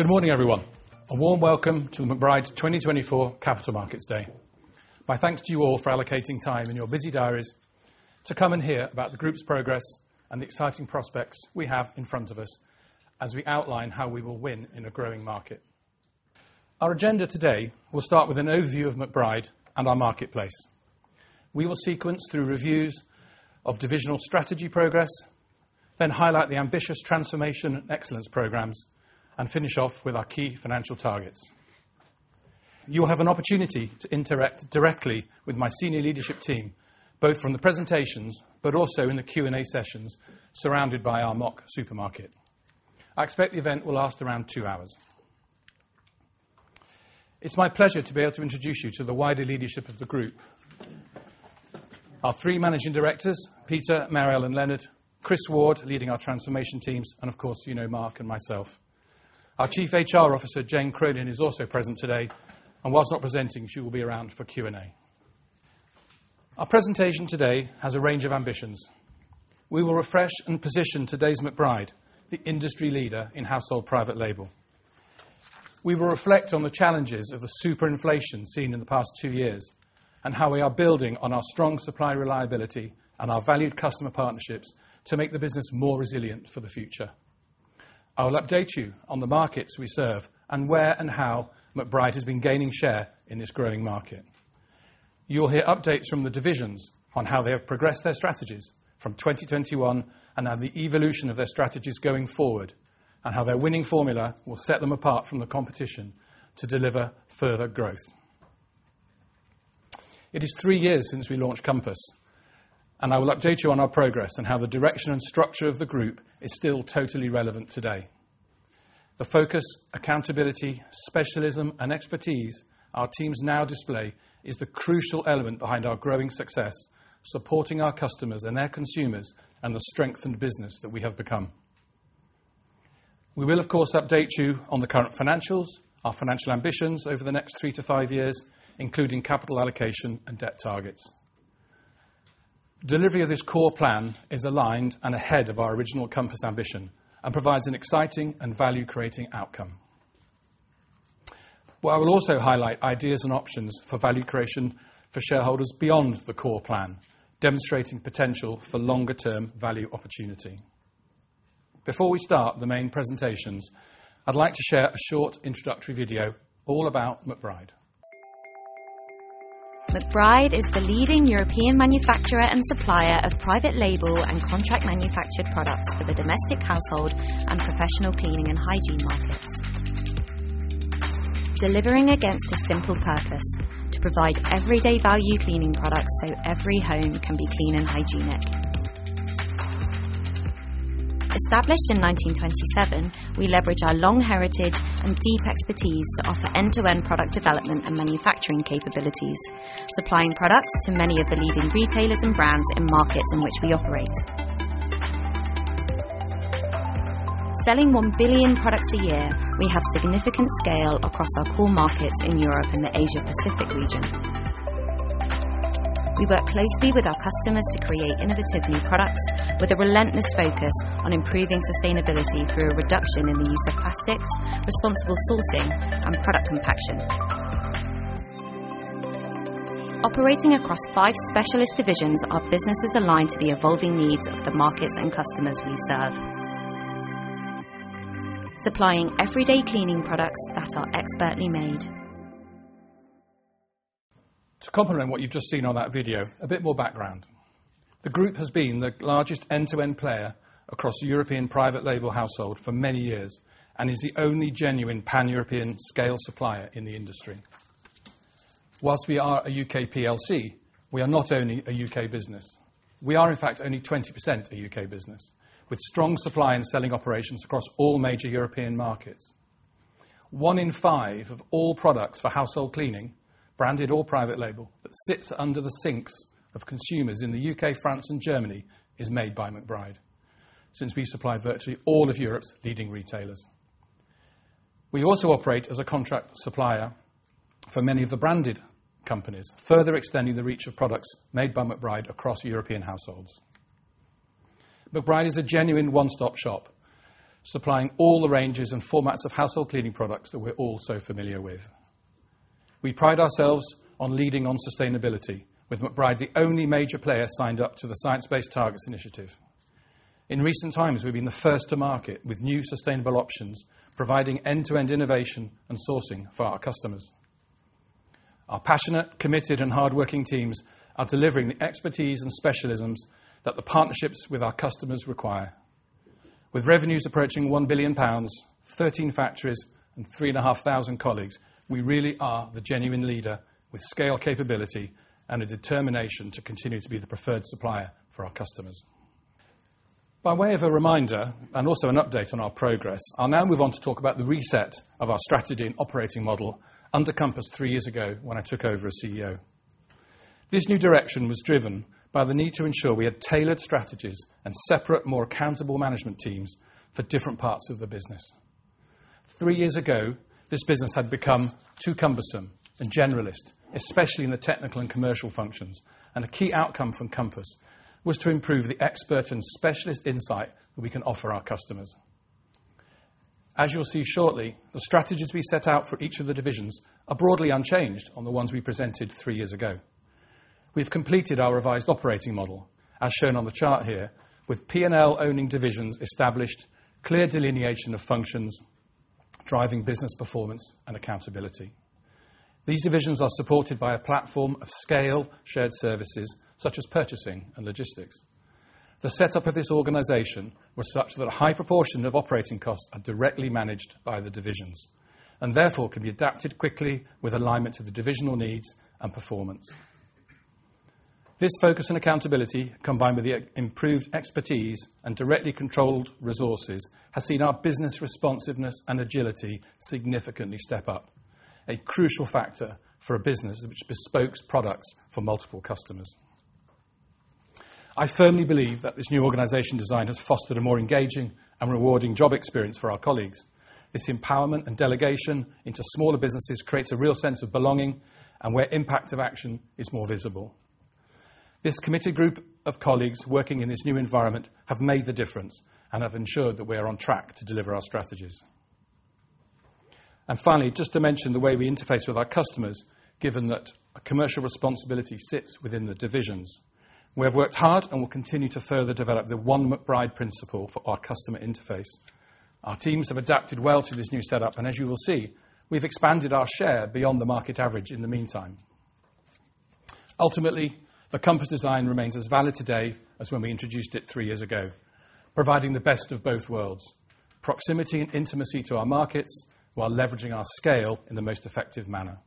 Good morning, everyone. A warm welcome to the McBride 2024 Capital Markets Day. My thanks to you all for allocating time in your busy diaries to come and hear about the group's progress and the exciting prospects we have in front of us as we outline how we will win in a growing market. Our agenda today will start with an overview of McBride and our marketplace. We will sequence through reviews of divisional strategy progress, then highlight the ambitious transformation and excellence programs, and finish off with our key financial targets. You will have an opportunity to interact directly with my senior leadership team, both from the presentations but also in the Q&A sessions surrounded by our mock supermarket. I expect the event will last around two hours. It's my pleasure to be able to introduce you to the wider leadership of the group: our three managing directors, Peter, Marielle, and Lennard, Chris Ward leading our transformation teams, and, of course, you know, Mark and myself. Our Chief HR Officer, Jane Cronin, is also present today, and while not presenting, she will be around for Q&A. Our presentation today has a range of ambitions. We will refresh and position today's McBride, the industry leader in household private label. We will reflect on the challenges of the superinflation seen in the past two years and how we are building on our strong supply reliability and our valued customer partnerships to make the business more resilient for the future. I will update you on the markets we serve and where and how McBride has been gaining share in this growing market. You will hear updates from the divisions on how they have progressed their strategies from 2021 and now the evolution of their strategies going forward, and how their winning formula will set them apart from the competition to deliver further growth. It is three years since we launched Compass, and I will update you on our progress and how the direction and structure of the group is still totally relevant today. The focus, accountability, specialism, and expertise our teams now display is the crucial element behind our growing success, supporting our customers and their consumers, and the strengthened business that we have become. We will, of course, update you on the current financials, our financial ambitions over the next three to five years, including capital allocation and debt targets. Delivery of this core plan is aligned and ahead of our original Compass ambition and provides an exciting and value-creating outcome. I will also highlight ideas and options for value creation for shareholders beyond the core plan, demonstrating potential for longer-term value opportunity. Before we start the main presentations, I'd like to share a short introductory video all about McBride. McBride is the leading European manufacturer and supplier of private label and contract-manufactured products for the domestic household and professional cleaning and hygiene markets, delivering against a simple purpose: to provide everyday value cleaning products so every home can be clean and hygienic. Established in 1927, we leverage our long heritage and deep expertise to offer end-to-end product development and manufacturing capabilities, supplying products to many of the leading retailers and brands in markets in which we operate. Selling 1 billion products a year, we have significant scale across our core markets in Europe and the Asia-Pacific region. We work closely with our customers to create innovative new products with a relentless focus on improving sustainability through a reduction in the use of plastics, responsible sourcing, and product compaction. Operating across five specialist divisions, our business is aligned to the evolving needs of the markets and customers we serve, supplying everyday cleaning products that are expertly made. To complement what you've just seen on that video, a bit more background. The group has been the largest end-to-end player across European private label household for many years and is the only genuine pan-European scale supplier in the industry. While we are a U.K. PLC, we are not only a U.K. business. We are, in fact, only 20% a U.K. business, with strong supply and selling operations across all major European markets. One in five of all products for household cleaning, branded or private label, that sits under the sinks of consumers in the U.K., France, and Germany is made by McBride, since we supply virtually all of Europe's leading retailers. We also operate as a contract supplier for many of the branded companies, further extending the reach of products made by McBride across European households. McBride is a genuine one-stop shop, supplying all the ranges and formats of household cleaning products that we're all so familiar with. We pride ourselves on leading on sustainability, with McBride the only major player signed up to the Science Based Targets Initiative. In recent times, we've been the first to market with new sustainable options, providing end-to-end innovation and sourcing for our customers. Our passionate, committed, and hardworking teams are delivering the expertise and specialisms that the partnerships with our customers require. With revenues approaching 1 billion pounds, 13 factories, and 3,500 colleagues, we really are the genuine leader with scale capability and a determination to continue to be the preferred supplier for our customers. By way of a reminder and also an update on our progress, I'll now move on to talk about the reset of our strategy and operating model under Compass three years ago when I took over as CEO. This new direction was driven by the need to ensure we had tailored strategies and separate, more accountable management teams for different parts of the business. Three years ago, this business had become too cumbersome and generalist, especially in the technical and commercial functions, and a key outcome from Compass was to improve the expert and specialist insight that we can offer our customers. As you'll see shortly, the strategies we set out for each of the divisions are broadly unchanged on the ones we presented three years ago. We've completed our revised operating model, as shown on the chart here, with P&L owning divisions established, clear delineation of functions driving business performance and accountability. These divisions are supported by a platform of scale shared services such as purchasing and logistics. The setup of this organization was such that a high proportion of operating costs are directly managed by the divisions and therefore can be adapted quickly with alignment to the divisional needs and performance. This focus and accountability, combined with the improved expertise and directly controlled resources, has seen our business responsiveness and agility significantly step up, a crucial factor for a business which bespoke products for multiple customers. I firmly believe that this new organization design has fostered a more engaging and rewarding job experience for our colleagues. This empowerment and delegation into smaller businesses creates a real sense of belonging and where impact of action is more visible. This committed group of colleagues working in this new environment have made the difference and have ensured that we are on track to deliver our strategies. Finally, just to mention the way we interface with our customers, given that commercial responsibility sits within the divisions, we have worked hard and will continue to further develop the One McBride principle for our customer interface. Our teams have adapted well to this new setup, and as you will see, we've expanded our share beyond the market average in the meantime. Ultimately, the Compass design remains as valid today as when we introduced it three years ago, providing the best of both worlds: proximity and intimacy to our markets while leveraging our scale in the most effective manner.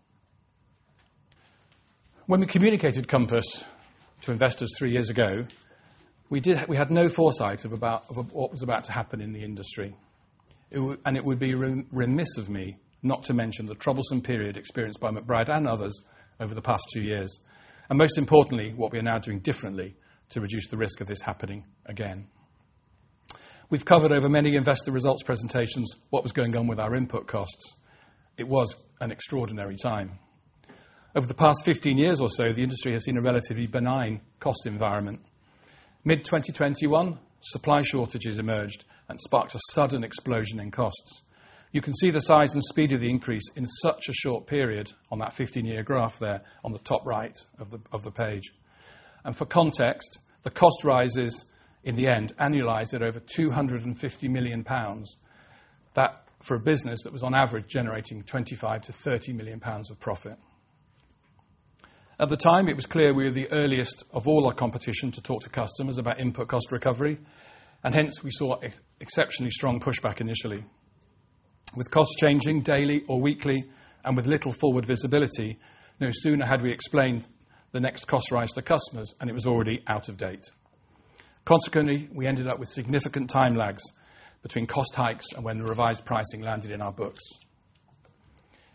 When we communicated Compass to investors three years ago, we had no foresight of what was about to happen in the industry, and it would be remiss of me not to mention the troublesome period experienced by McBride and others over the past two years, and most importantly, what we are now doing differently to reduce the risk of this happening again. We've covered over many investor results presentations what was going on with our input costs. It was an extraordinary time. Over the past 15 years or so, the industry has seen a relatively benign cost environment. Mid-2021, supply shortages emerged and sparked a sudden explosion in costs. You can see the size and speed of the increase in such a short period on that 15-year graph there on the top right of the page. And for context, the cost rises in the end, annualized, at over 250 million pounds for a business that was, on average, generating 25 million-30 million pounds of profit. At the time, it was clear we were the earliest of all our competition to talk to customers about input cost recovery, and hence we saw exceptionally strong pushback initially. With costs changing daily or weekly and with little forward visibility, no sooner had we explained the next cost rise to customers than it was already out of date. Consequently, we ended up with significant time lags between cost hikes and when the revised pricing landed in our books.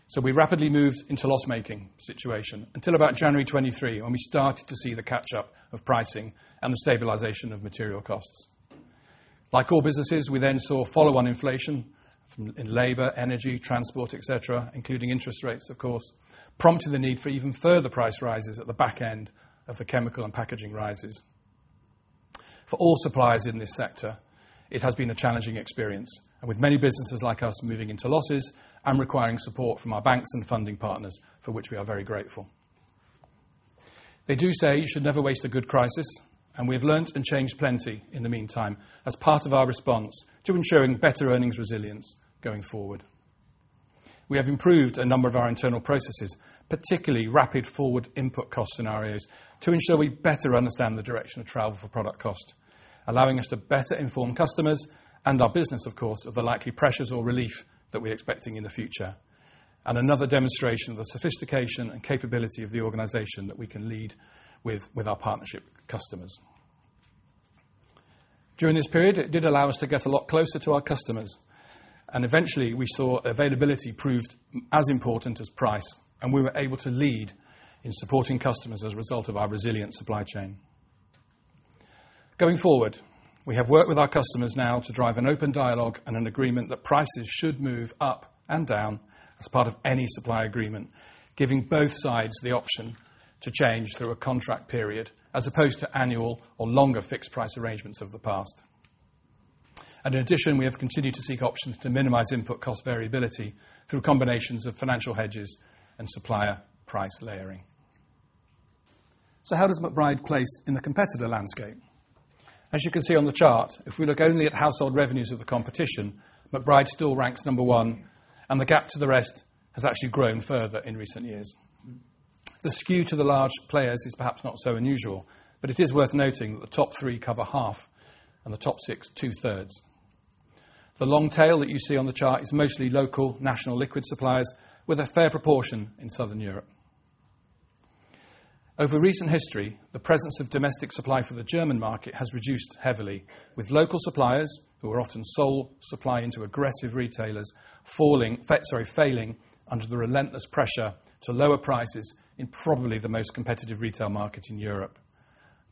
So we rapidly moved into a loss-making situation until about January 2023, when we started to see the catch-up of pricing and the stabilization of material costs. Like all businesses, we then saw follow-on inflation in labor, energy, transport, etc., including interest rates, of course, prompting the need for even further price rises at the back end of the chemical and packaging rises. For all suppliers in this sector, it has been a challenging experience, with many businesses like us moving into losses and requiring support from our banks and funding partners, for which we are very grateful. They do say you should never waste a good crisis, and we have learned and changed plenty in the meantime as part of our response to ensuring better earnings resilience going forward. We have improved a number of our internal processes, particularly rapid forward input cost scenarios, to ensure we better understand the direction of travel for product cost, allowing us to better inform customers and our business, of course, of the likely pressures or relief that we're expecting in the future, and another demonstration of the sophistication and capability of the organization that we can lead with our partnership customers. During this period, it did allow us to get a lot closer to our customers, and eventually we saw availability proved as important as price, and we were able to lead in supporting customers as a result of our resilient supply chain. Going forward, we have worked with our customers now to drive an open dialogue and an agreement that prices should move up and down as part of any supply agreement, giving both sides the option to change through a contract period as opposed to annual or longer fixed-price arrangements of the past. In addition, we have continued to seek options to minimize input cost variability through combinations of financial hedges and supplier price layering. So how does McBride place in the competitor landscape? As you can see on the chart, if we look only at household revenues of the competition, McBride still ranks number one, and the gap to the rest has actually grown further in recent years. The skew to the large players is perhaps not so unusual, but it is worth noting that the top three cover half and the top six two-thirds. The long tail that you see on the chart is mostly local, national liquid suppliers, with a fair proportion in Southern Europe. Over recent history, the presence of domestic supply for the German market has reduced heavily, with local suppliers, who are often sole supply into aggressive retailers, failing under the relentless pressure to lower prices in probably the most competitive retail market in Europe.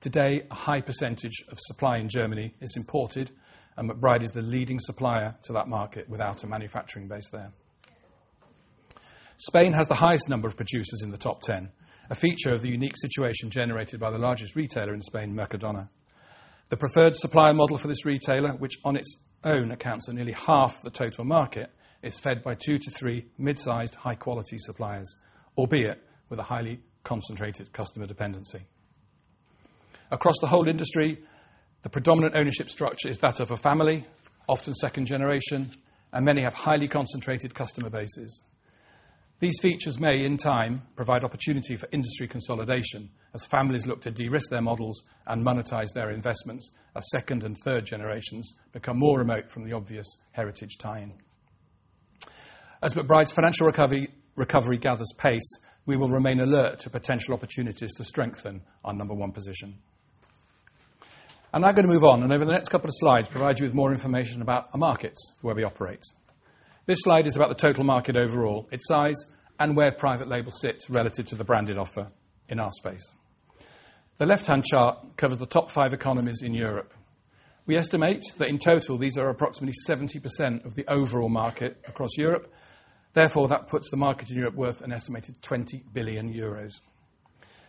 Today, a high percentage of supply in Germany is imported, and McBride is the leading supplier to that market without a manufacturing base there. Spain has the highest number of producers in the top ten, a feature of the unique situation generated by the largest retailer in Spain, Mercadona. The preferred supplier model for this retailer, which on its own accounts for nearly half the total market, is fed by two to three mid-sized, high-quality suppliers, albeit with a highly concentrated customer dependency. Across the whole industry, the predominant ownership structure is that of a family, often second generation, and many have highly concentrated customer bases. These features may, in time, provide opportunity for industry consolidation as families look to de-risk their models and monetize their investments as second and third generations become more remote from the obvious heritage tying. As McBride's financial recovery gathers pace, we will remain alert to potential opportunities to strengthen our number one position. I'm now going to move on and, over the next couple of slides, provide you with more information about the markets where we operate. This slide is about the total market overall, its size, and where private label sits relative to the branded offer in our space. The left-hand chart covers the top five economies in Europe. We estimate that in total these are approximately 70% of the overall market across Europe. Therefore, that puts the market in Europe worth an estimated 20 billion euros.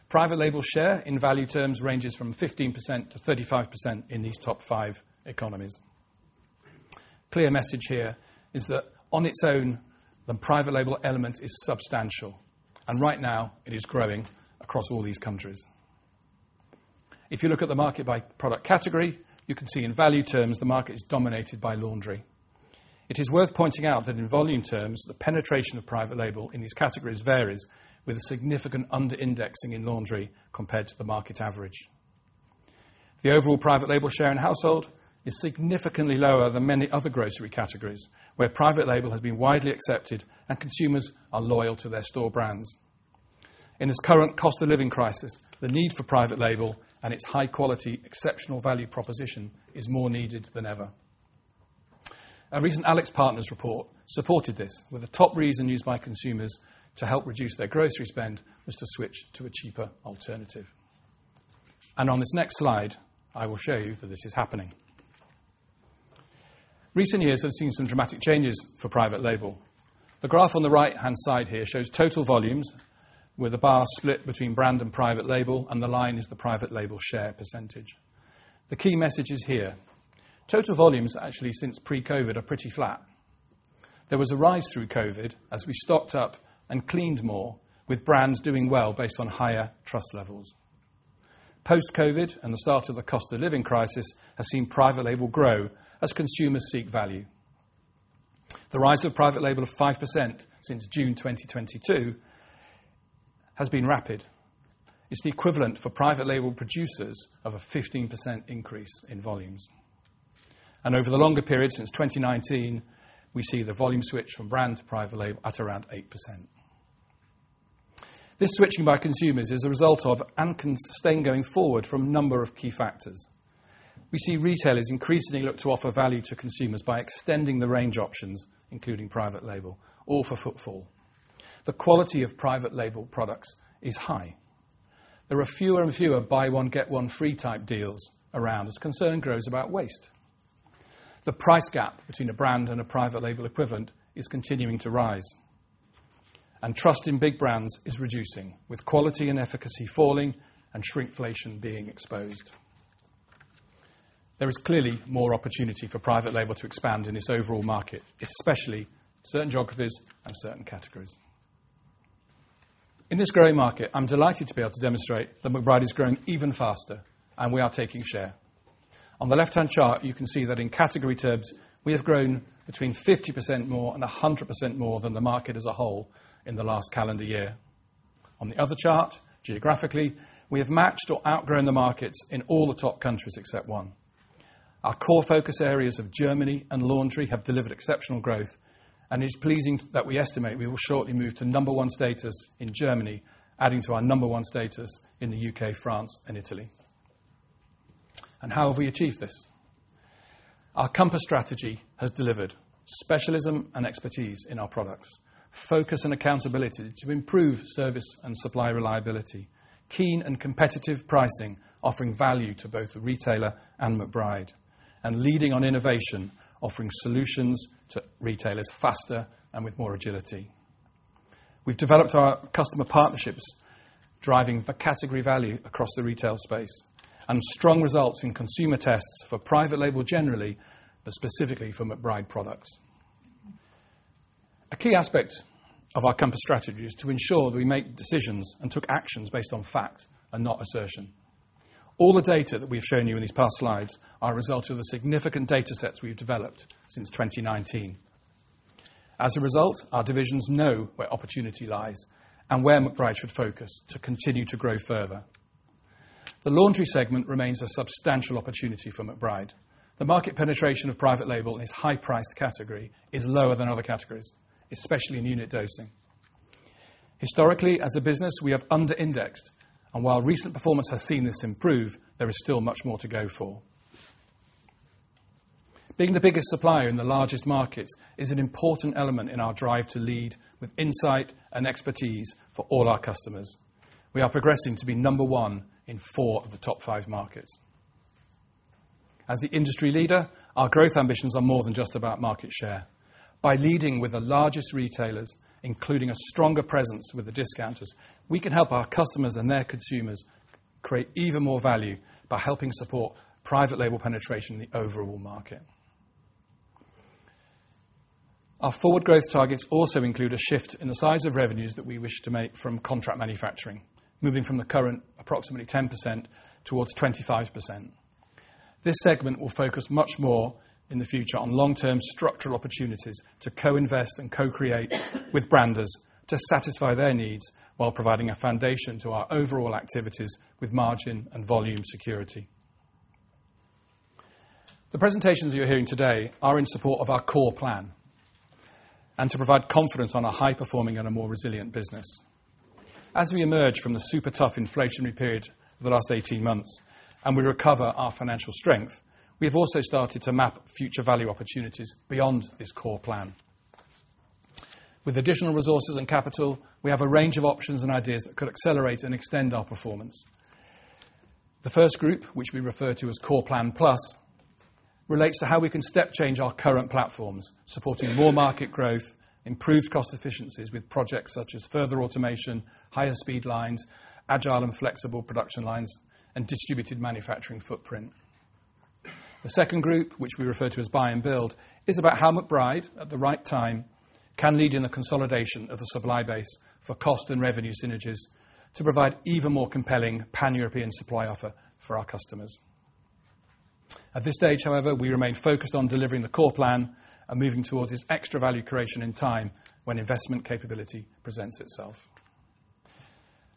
Private label share, in value terms, ranges from 15% to 35% in these top five economies. The clear message here is that, on its own, the private label element is substantial, and right now it is growing across all these countries. If you look at the market by product category, you can see, in value terms, the market is dominated by laundry. It is worth pointing out that, in volume terms, the penetration of private label in these categories varies, with a significant under-indexing in laundry compared to the market average. The overall private label share in household is significantly lower than many other grocery categories, where private label has been widely accepted and consumers are loyal to their store brands. In this current cost of living crisis, the need for private label and its high-quality, exceptional value proposition is more needed than ever. A recent AlixPartners report supported this, with the top reason used by consumers to help reduce their grocery spend was to switch to a cheaper alternative. On this next slide, I will show you that this is happening. Recent years have seen some dramatic changes for private label. The graph on the right-hand side here shows total volumes, with a bar split between brand and private label, and the line is the private label share percentage. The key message is here: total volumes, actually, since pre-COVID are pretty flat. There was a rise through COVID as we stocked up and cleaned more, with brands doing well based on higher trust levels. Post-COVID and the start of the cost of living crisis have seen private label grow as consumers seek value. The rise of private label of 5% since June 2022 has been rapid. It's the equivalent for private label producers of a 15% increase in volumes. And over the longer period since 2019, we see the volume switch from brand to private label at around 8%. This switching by consumers is a result of and can sustain going forward from a number of key factors. We see retailers increasingly look to offer value to consumers by extending the range options, including private label, all for footfall. The quality of private label products is high. There are fewer and fewer buy-one, get-one-free type deals around as concern grows about waste. The price gap between a brand and a private label equivalent is continuing to rise, and trust in big brands is reducing, with quality and efficacy falling and shrinkflation being exposed. There is clearly more opportunity for private label to expand in this overall market, especially certain geographies and certain categories. In this growing market, I'm delighted to be able to demonstrate that McBride is growing even faster, and we are taking share. On the left-hand chart, you can see that, in category terms, we have grown between 50% more and 100% more than the market as a whole in the last calendar year. On the other chart, geographically, we have matched or outgrown the markets in all the top countries except one. Our core focus areas of Germany and laundry have delivered exceptional growth, and it is pleasing that we estimate we will shortly move to number one status in Germany, adding to our number one status in the U.K., France, and Italy. How have we achieved this? Our Compass strategy has delivered specialism and expertise in our products, focus and accountability to improve service and supply reliability, keen and competitive pricing offering value to both the retailer and McBride, and leading on innovation offering solutions to retailers faster and with more agility. We've developed our customer partnerships, driving category value across the retail space, and strong results in consumer tests for private label generally, but specifically for McBride products. A key aspect of our Compass strategy is to ensure that we make decisions and took actions based on fact and not assertion. All the data that we've shown you in these past slides are a result of the significant datasets we've developed since 2019. As a result, our divisions know where opportunity lies and where McBride should focus to continue to grow further. The laundry segment remains a substantial opportunity for McBride. The market penetration of private label in this high-priced category is lower than other categories, especially in unit dosing. Historically, as a business, we have under-indexed, and while recent performance has seen this improve, there is still much more to go for. Being the biggest supplier in the largest markets is an important element in our drive to lead with insight and expertise for all our customers. We are progressing to be number one in four of the top five markets. As the industry leader, our growth ambitions are more than just about market share. By leading with the largest retailers, including a stronger presence with the discounters, we can help our customers and their consumers create even more value by helping support private label penetration in the overall market. Our forward growth targets also include a shift in the size of revenues that we wish to make from contract manufacturing, moving from the current approximately 10% towards 25%. This segment will focus much more in the future on long-term structural opportunities to co-invest and co-create with branders to satisfy their needs while providing a foundation to our overall activities with margin and volume security. The presentations you're hearing today are in support of our core plan and to provide confidence on a high-performing and a more resilient business. As we emerge from the super-tough inflationary period of the last 18 months and we recover our financial strength, we have also started to map future value opportunities beyond this core plan. With additional resources and capital, we have a range of options and ideas that could accelerate and extend our performance. The first group, which we refer to as Core Plan Plus, relates to how we can step-change our current platforms, supporting more market growth, improved cost efficiencies with projects such as further automation, higher speed lines, agile and flexible production lines, and distributed manufacturing footprint. The second group, which we refer to as Buy and Build, is about how McBride, at the right time, can lead in the consolidation of the supply base for cost and revenue synergies to provide even more compelling pan-European supply offer for our customers. At this stage, however, we remain focused on delivering the Core Plan and moving towards this extra value creation in time when investment capability presents itself.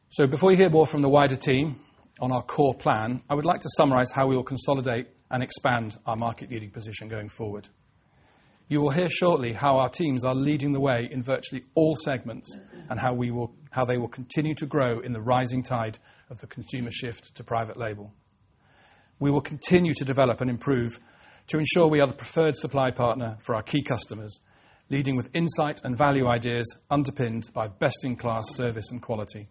So before you hear more from the wider team on our Core Plan, I would like to summarize how we will consolidate and expand our market-leading position going forward. You will hear shortly how our teams are leading the way in virtually all segments and how they will continue to grow in the rising tide of the consumer shift to private label. We will continue to develop and improve to ensure we are the preferred supply partner for our key customers, leading with insight and value ideas underpinned by best-in-class service and quality.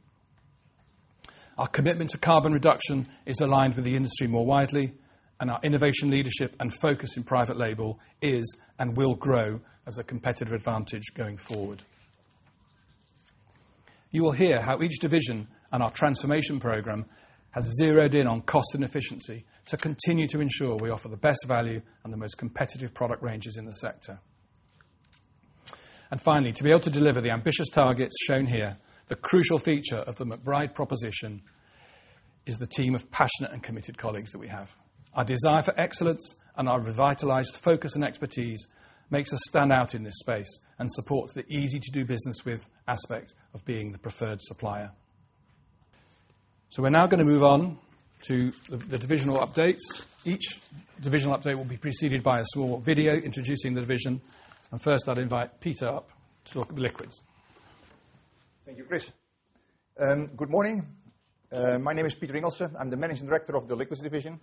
Our commitment to carbon reduction is aligned with the industry more widely, and our innovation leadership and focus in private label is and will grow as a competitive advantage going forward. You will hear how each division and our transformation program has zeroed in on cost and efficiency to continue to ensure we offer the best value and the most competitive product ranges in the sector. Finally, to be able to deliver the ambitious targets shown here, the crucial feature of the McBride proposition is the team of passionate and committed colleagues that we have. Our desire for excellence and our revitalized focus and expertise makes us stand out in this space and supports the easy-to-do business with aspect of being the preferred supplier. We're now going to move on to the divisional updates. Each divisional update will be preceded by a small video introducing the division, and first I'd invite Peter up to talk of liquids. Thank you, Chris. Good morning. My name is Peter Ingelse. I'm the Managing Director of the Liquids Division.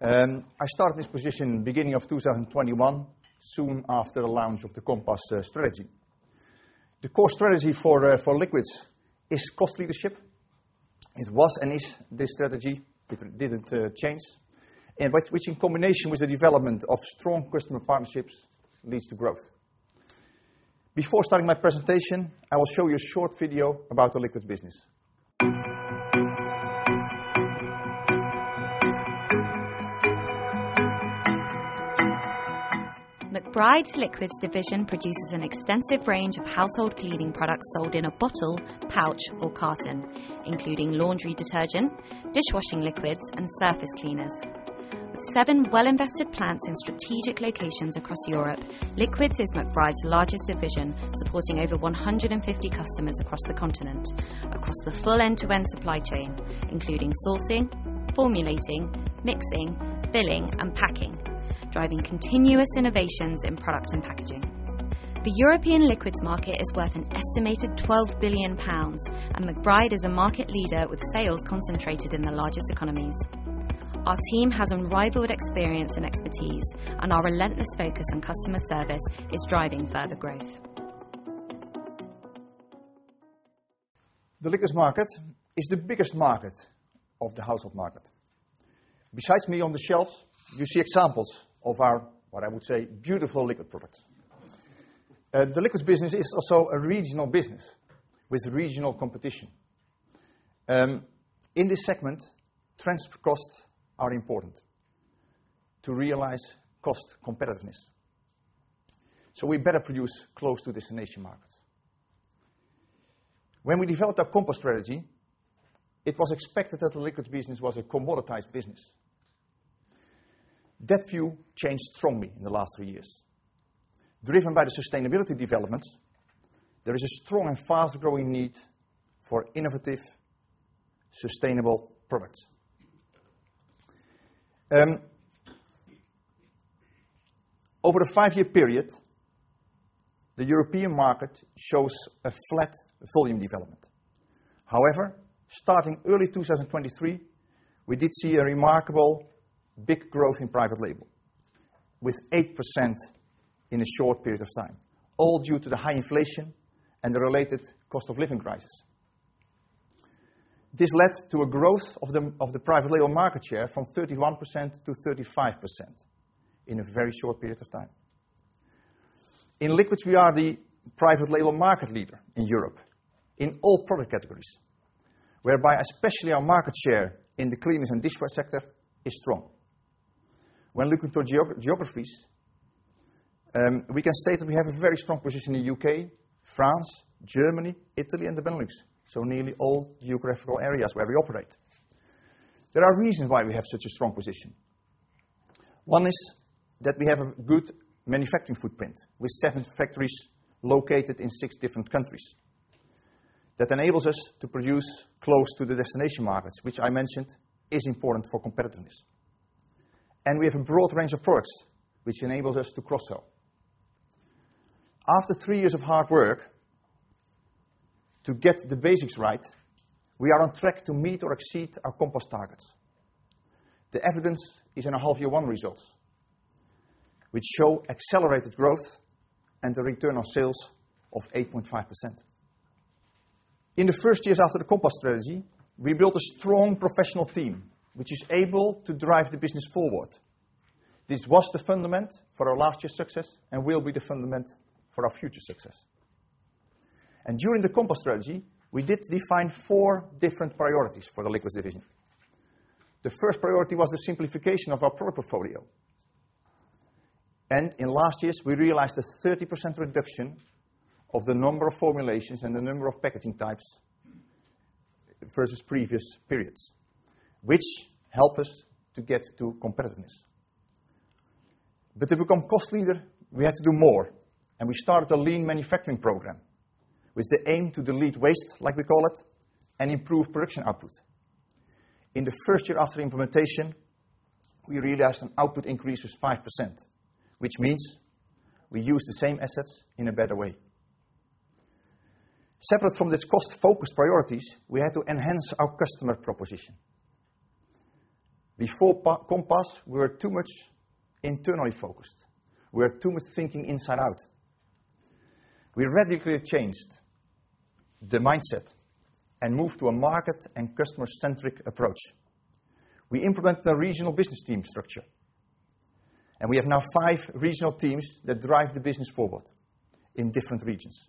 I started this position beginning of 2021, soon after the launch of the Compass strategy. The core strategy for liquids is cost leadership. It was and is this strategy. It didn't change, which, in combination with the development of strong customer partnerships, leads to growth. Before starting my presentation, I will show you a short video about the liquids business. McBride's Liquids Division produces an extensive range of household cleaning products sold in a bottle, pouch, or carton, including laundry detergent, dishwashing liquids, and surface cleaners. With 7 well-invested plants in strategic locations across Europe, Liquids is McBride's largest division, supporting over 150 customers across the continent, across the full end-to-end supply chain, including sourcing, formulating, mixing, billing, and packing, driving continuous innovations in product and packaging. The European liquids market is worth an estimated 12 billion pounds, and McBride is a market leader with sales concentrated in the largest economies. Our team has unrivaled experience and expertise, and our relentless focus on customer service is driving further growth. The liquids market is the biggest market of the household market. Besides me on the shelves, you see examples of our, what I would say, beautiful liquid products. The liquids business is also a regional business with regional competition. In this segment, transfer costs are important to realize cost competitiveness, so we better produce close to destination markets. When we developed our Compass strategy, it was expected that the liquids business was a commoditized business. That view changed strongly in the last three years. Driven by the sustainability developments, there is a strong and fast-growing need for innovative, sustainable products. Over a five-year period, the European market shows a flat volume development. However, starting early 2023, we did see a remarkable big growth in private label, with 8% in a short period of time, all due to the high inflation and the related cost of living crisis. This led to a growth of the private label market share from 31%-35% in a very short period of time. In liquids, we are the private label market leader in Europe in all product categories, whereby especially our market share in the cleaning and dishwashing sector is strong. When looking to geographies, we can state that we have a very strong position in the U.K., France, Germany, Italy, and the Benelux, so nearly all geographical areas where we operate. There are reasons why we have such a strong position. One is that we have a good manufacturing footprint with 7 factories located in 6 different countries. That enables us to produce close to the destination markets, which I mentioned is important for competitiveness. We have a broad range of products, which enables us to cross-sell. After three years of hard work to get the basics right, we are on track to meet or exceed our Compass targets. The evidence is in our half-year one results, which show accelerated growth and a return on sales of 8.5%. In the first years after the Compass strategy, we built a strong professional team, which is able to drive the business forward. This was the foundation for our last year's success and will be the foundation for our future success. During the Compass strategy, we did define four different priorities for the Liquids Division. The first priority was the simplification of our product portfolio, and in last years, we realized a 30% reduction of the number of formulations and the number of packaging types versus previous periods, which helped us to get to competitiveness. But to become cost leader, we had to do more, and we started a Lean Manufacturing program with the aim to delete waste, like we call it, and improve production output. In the first year after implementation, we realized an output increase of 5%, which means we used the same assets in a better way. Separate from these cost-focused priorities, we had to enhance our customer proposition. Before Compass, we were too much internally focused. We were too much thinking inside out. We radically changed the mindset and moved to a market and customer-centric approach. We implemented a regional business team structure, and we have now five regional teams that drive the business forward in different regions.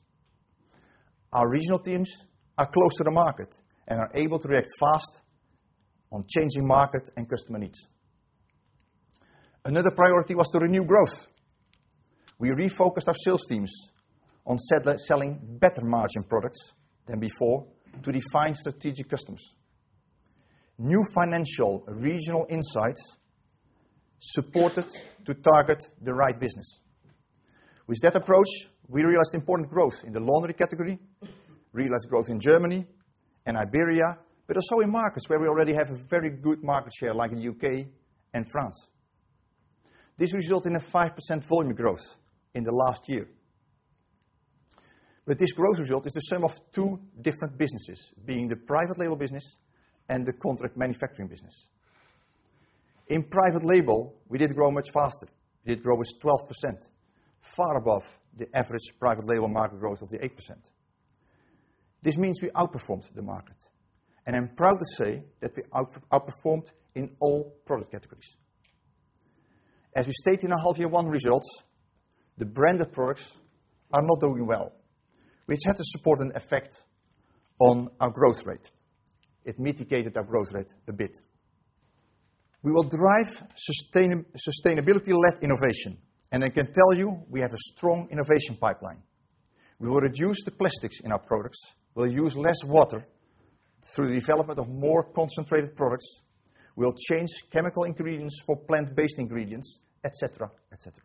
Our regional teams are close to the market and are able to react fast on changing market and customer needs. Another priority was to renew growth. We refocused our sales teams on selling better margin products than before to define strategic customers. New financial regional insights supported to target the right business. With that approach, we realized important growth in the laundry category, realized growth in Germany and Iberia, but also in markets where we already have a very good market share like in the U.K. and France. This resulted in a 5% volume growth in the last year. But this growth result is the sum of two different businesses, being the private label business and the contract manufacturing business. In private label, we did grow much faster. We did grow with 12%, far above the average private label market growth of the 8%. This means we outperformed the market, and I'm proud to say that we outperformed in all product categories. As we stated in our half-year one results, the branded products are not doing well, which had a supporting effect on our growth rate. It mitigated our growth rate a bit. We will drive sustainability-led innovation, and I can tell you we have a strong innovation pipeline. We will reduce the plastics in our products, we'll use less water through the development of more concentrated products, we'll change chemical ingredients for plant-based ingredients, et cetera, et cetera.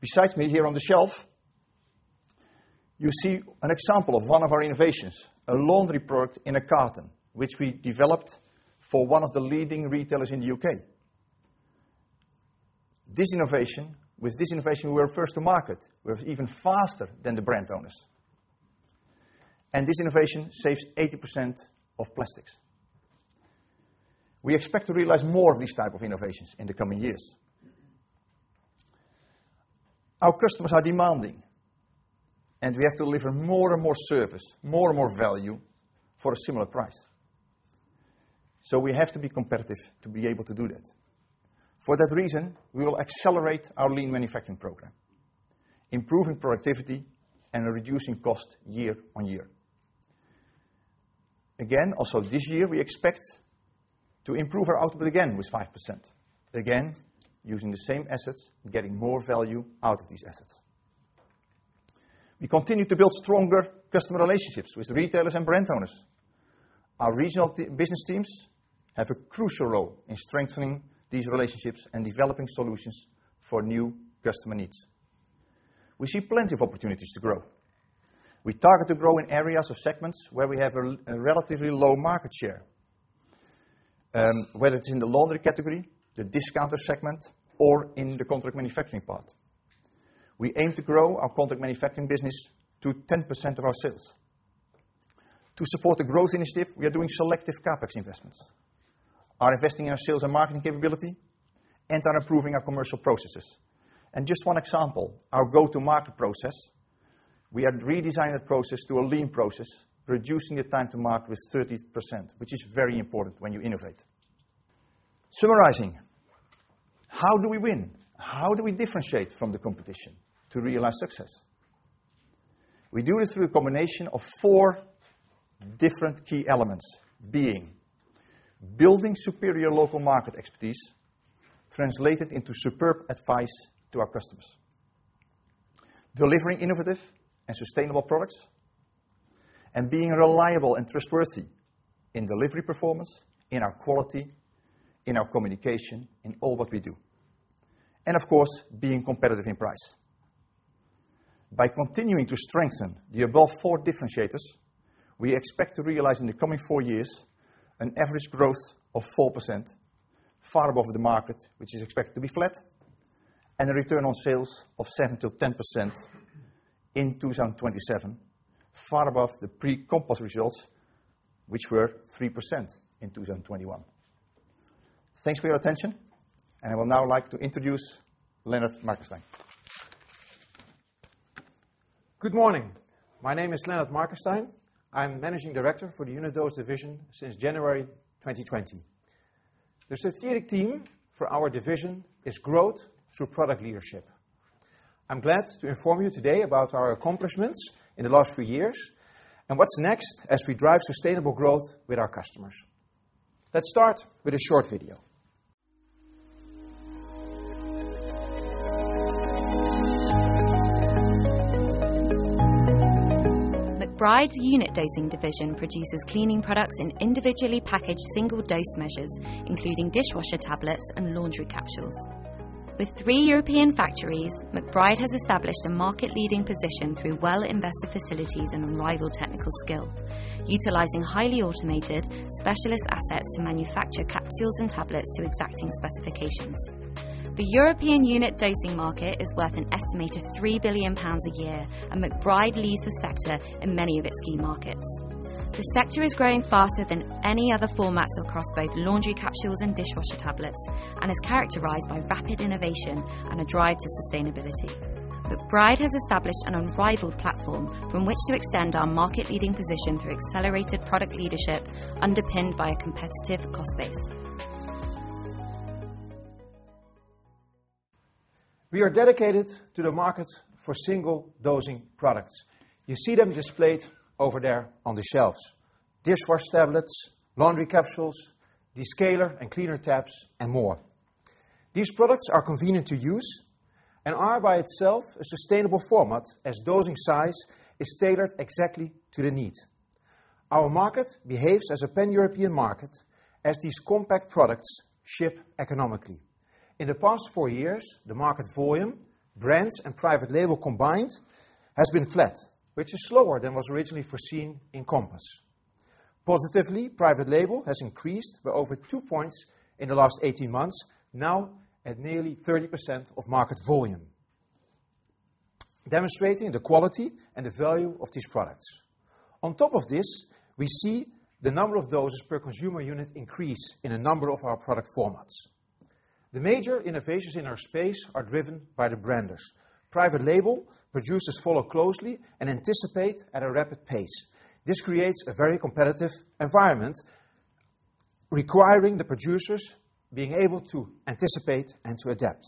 Beside me here on the shelf, you see an example of one of our innovations, a laundry product in a carton, which we developed for one of the leading retailers in the UK. This innovation, with this innovation, we were first to market. We were even faster than the brand owners, and this innovation saves 80% of plastics. We expect to realize more of these types of innovations in the coming years. Our customers are demanding, and we have to deliver more and more service, more and more value for a similar price. So we have to be competitive to be able to do that. For that reason, we will accelerate our lean manufacturing program, improving productivity and reducing cost year on year. Again, also this year, we expect to improve our output again with 5%, again using the same assets, getting more value out of these assets. We continue to build stronger customer relationships with retailers and brand owners. Our regional business teams have a crucial role in strengthening these relationships and developing solutions for new customer needs. We see plenty of opportunities to grow. We target to grow in areas or segments where we have a relatively low market share, whether it's in the laundry category, the discounter segment, or in the contract manufacturing part. We aim to grow our contract manufacturing business to 10% of our sales. To support the growth initiative, we are doing selective CapEx investments. Our investing in our sales and marketing capability and our improving our commercial processes. Just one example, our go-to-market process, we have redesigned that process to a lean process, reducing the time to market with 30%, which is very important when you innovate. Summarizing, how do we win? How do we differentiate from the competition to realize success? We do this through a combination of four different key elements, being building superior local market expertise translated into superb advice to our customers, delivering innovative and sustainable products, and being reliable and trustworthy in delivery performance, in our quality, in our communication, in all what we do, and of course, being competitive in price. By continuing to strengthen the above four differentiators, we expect to realize in the coming four years an average growth of 4%, far above the market, which is expected to be flat, and a return on sales of 7%-10% in 2027, far above the pre-Compass results, which were 3% in 2021. Thanks for your attention, and I would now like to introduce Lennard Markestein. Good morning. My name is Lennard Markestein. I'm Managing Director for the Unit Dosing Division since January 2020. The strategic team for our division is growth through product leadership. I'm glad to inform you today about our accomplishments in the last few years and what's next as we drive sustainable growth with our customers. Let's start with a short video. McBride's Unit Dosing Division produces cleaning products in individually packaged single-dose measures, including dishwasher tablets and laundry capsules. With three European factories, McBride has established a market-leading position through well-invested facilities and unrivaled technical skill, utilizing highly automated, specialist assets to manufacture capsules and tablets to exacting specifications. The European unit dosing market is worth an estimated 3 billion pounds a year, and McBride leads the sector in many of its key markets. The sector is growing faster than any other formats across both laundry capsules and dishwasher tablets and is characterised by rapid innovation and a drive to sustainability. McBride has established an unrivaled platform from which to extend our market-leading position through accelerated product leadership underpinned by a competitive cost base. We are dedicated to the market for single-dosing products. You see them displayed over there on the shelves: dishwasher tablets, laundry capsules, descaler and cleaner tabs, and more. These products are convenient to use and are by itself a sustainable format as dosing size is tailored exactly to the need. Our market behaves as a pan-European market as these compact products ship economically. In the past 4 years, the market volume, brands and private label combined, has been flat, which is slower than was originally foreseen in Compass. Positively, private label has increased by over 2 points in the last 18 months, now at nearly 30% of market volume, demonstrating the quality and the value of these products. On top of this, we see the number of doses per consumer unit increase in a number of our product formats. The major innovations in our space are driven by the branders. Private label producers follow closely and anticipate at a rapid pace. This creates a very competitive environment requiring the producers being able to anticipate and to adapt.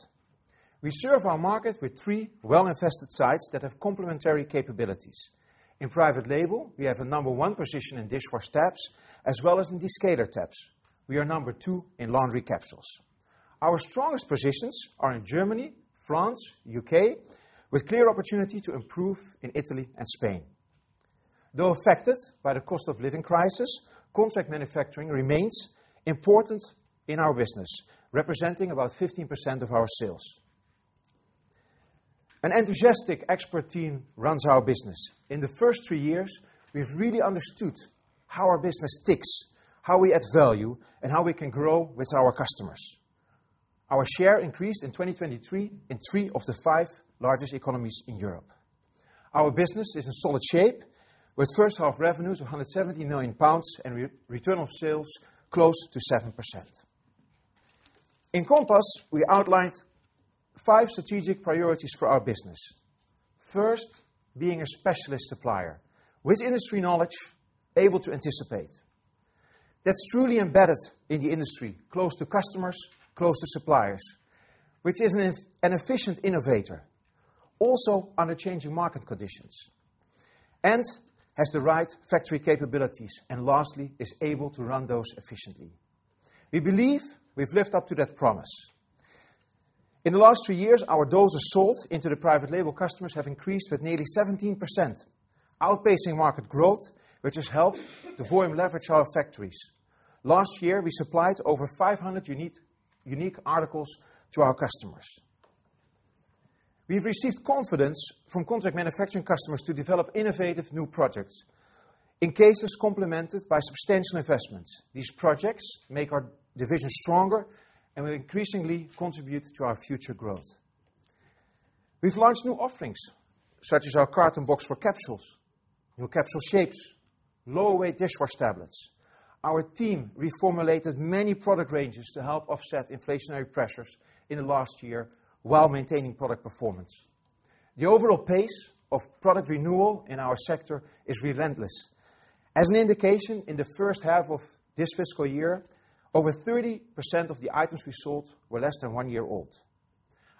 We serve our market with three well-invested sites that have complementary capabilities. In private label, we have a number one position in dishwasher tabs as well as in descaler tabs. We are number two in laundry capsules. Our strongest positions are in Germany, France, and the U.K., with clear opportunity to improve in Italy and Spain. Though affected by the cost of living crisis, contract manufacturing remains important in our business, representing about 15% of our sales. An enthusiastic expert team runs our business. In the first three years, we've really understood how our business ticks, how we add value, and how we can grow with our customers. Our share increased in 2023 in three of the five largest economies in Europe. Our business is in solid shape with first half revenues of 170 million pounds and return on sales close to 7%. In Compass, we outlined five strategic priorities for our business. First, being a specialist supplier with industry knowledge, able to anticipate. That's truly embedded in the industry, close to customers, close to suppliers, which is an efficient innovator, also under changing market conditions, and has the right factory capabilities, and lastly, is able to run those efficiently. We believe we've lived up to that promise. In the last three years, our doses sold into the private label customers have increased with nearly 17%, outpacing market growth, which has helped to volume leverage our factories. Last year, we supplied over 500 unique articles to our customers. We've received confidence from contract manufacturing customers to develop innovative new projects in cases complemented by substantial investments. These projects make our division stronger, and we increasingly contribute to our future growth. We've launched new offerings such as our carton box for capsules, new capsule shapes, low-weight dishwasher tablets. Our team reformulated many product ranges to help offset inflationary pressures in the last year while maintaining product performance. The overall pace of product renewal in our sector is relentless. As an indication, in the first half of this fiscal year, over 30% of the items we sold were less than one year old.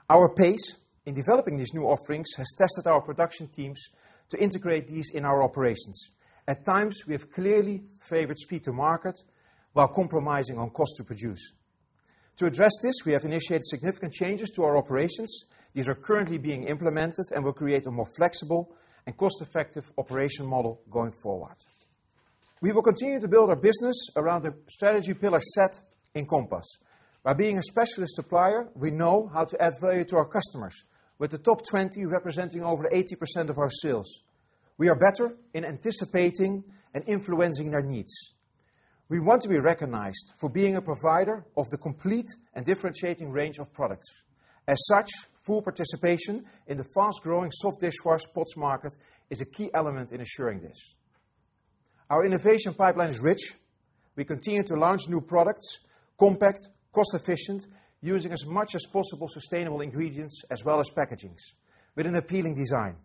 Our pace in developing these new offerings has tested our production teams to integrate these in our operations. At times, we have clearly favored speed to market while compromising on cost to produce. To address this, we have initiated significant changes to our operations. These are currently being implemented and will create a more flexible and cost-effective operation model going forward. We will continue to build our business around the strategy pillar set in Compass. By being a specialist supplier, we know how to add value to our customers, with the top 20 representing over 80% of our sales. We are better in anticipating and influencing their needs. We want to be recognized for being a provider of the complete and differentiating range of products. As such, full participation in the fast-growing soft dishwasher pods market is a key element in assuring this. Our innovation pipeline is rich. We continue to launch new products, compact, cost-efficient, using as much as possible sustainable ingredients as well as packaging, with an appealing design.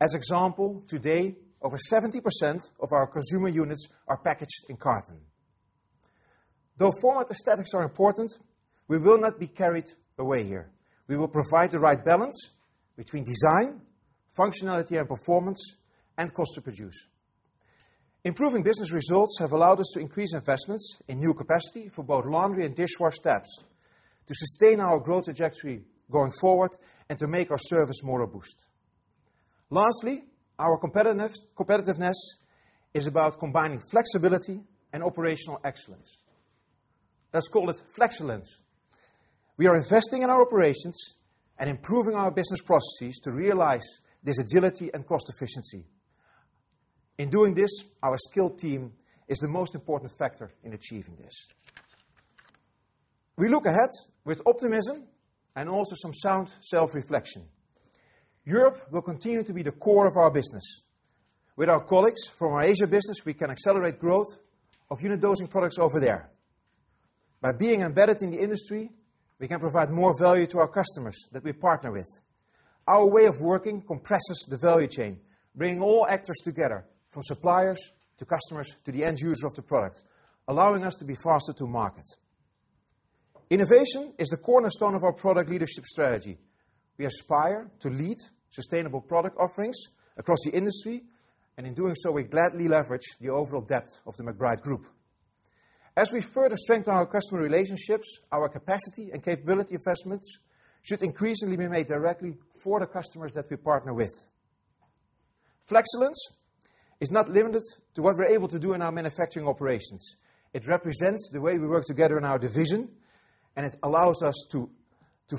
As example, today, over 70% of our consumer units are packaged in carton. Though format aesthetics are important, we will not be carried away here. We will provide the right balance between design, functionality, and performance, and cost to produce. Improving business results have allowed us to increase investments in new capacity for both laundry and dishwasher tabs to sustain our growth trajectory going forward and to make our service more robust. Lastly, our competitiveness is about combining flexibility and operational excellence. Let's call it flexilence. We are investing in our operations and improving our business processes to realize this agility and cost efficiency. In doing this, our skilled team is the most important factor in achieving this. We look ahead with optimism and also some sound self-reflection. Europe will continue to be the core of our business. With our colleagues from our Asia business, we can accelerate growth of unit Dosing products over there. By being embedded in the industry, we can provide more value to our customers that we partner with. Our way of working compresses the value chain, bringing all actors together, from suppliers to customers to the end user of the product, allowing us to be faster to market. Innovation is the cornerstone of our product leadership strategy. We aspire to lead sustainable product offerings across the industry, and in doing so, we gladly leverage the overall depth of the McBride Group. As we further strengthen our customer relationships, our capacity and capability investments should increasingly be made directly for the customers that we partner with. Flexilence is not limited to what we're able to do in our manufacturing operations. It represents the way we work together in our division, and it allows us to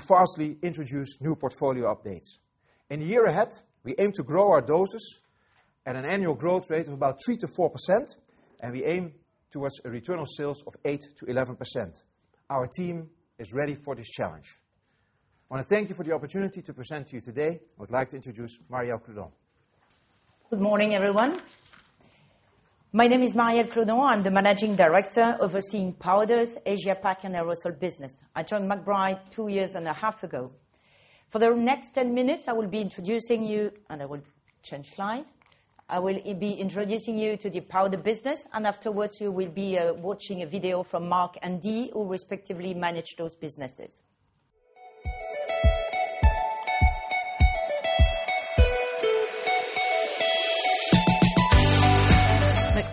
fastly introduce new portfolio updates. In the year ahead, we aim to grow our doses at an annual growth rate of about 3%-4%, and we aim towards a return on sales of 8%-11%. Our team is ready for this challenge. I want to thank you for the opportunity to present to you today. I would like to introduce Marielle Claudon. Good morning, everyone. My name is Marielle Claudon. I'm the Managing Director overseeing Powders, Asia Pacific, and Aerosols business. I joined McBride 2 years and a half ago. For the next 10 minutes, I will be introducing you, and I will change slides. I will be introducing you to the powder business, and afterwards, you will be watching a video from Mark and Dee, who respectively manage those businesses.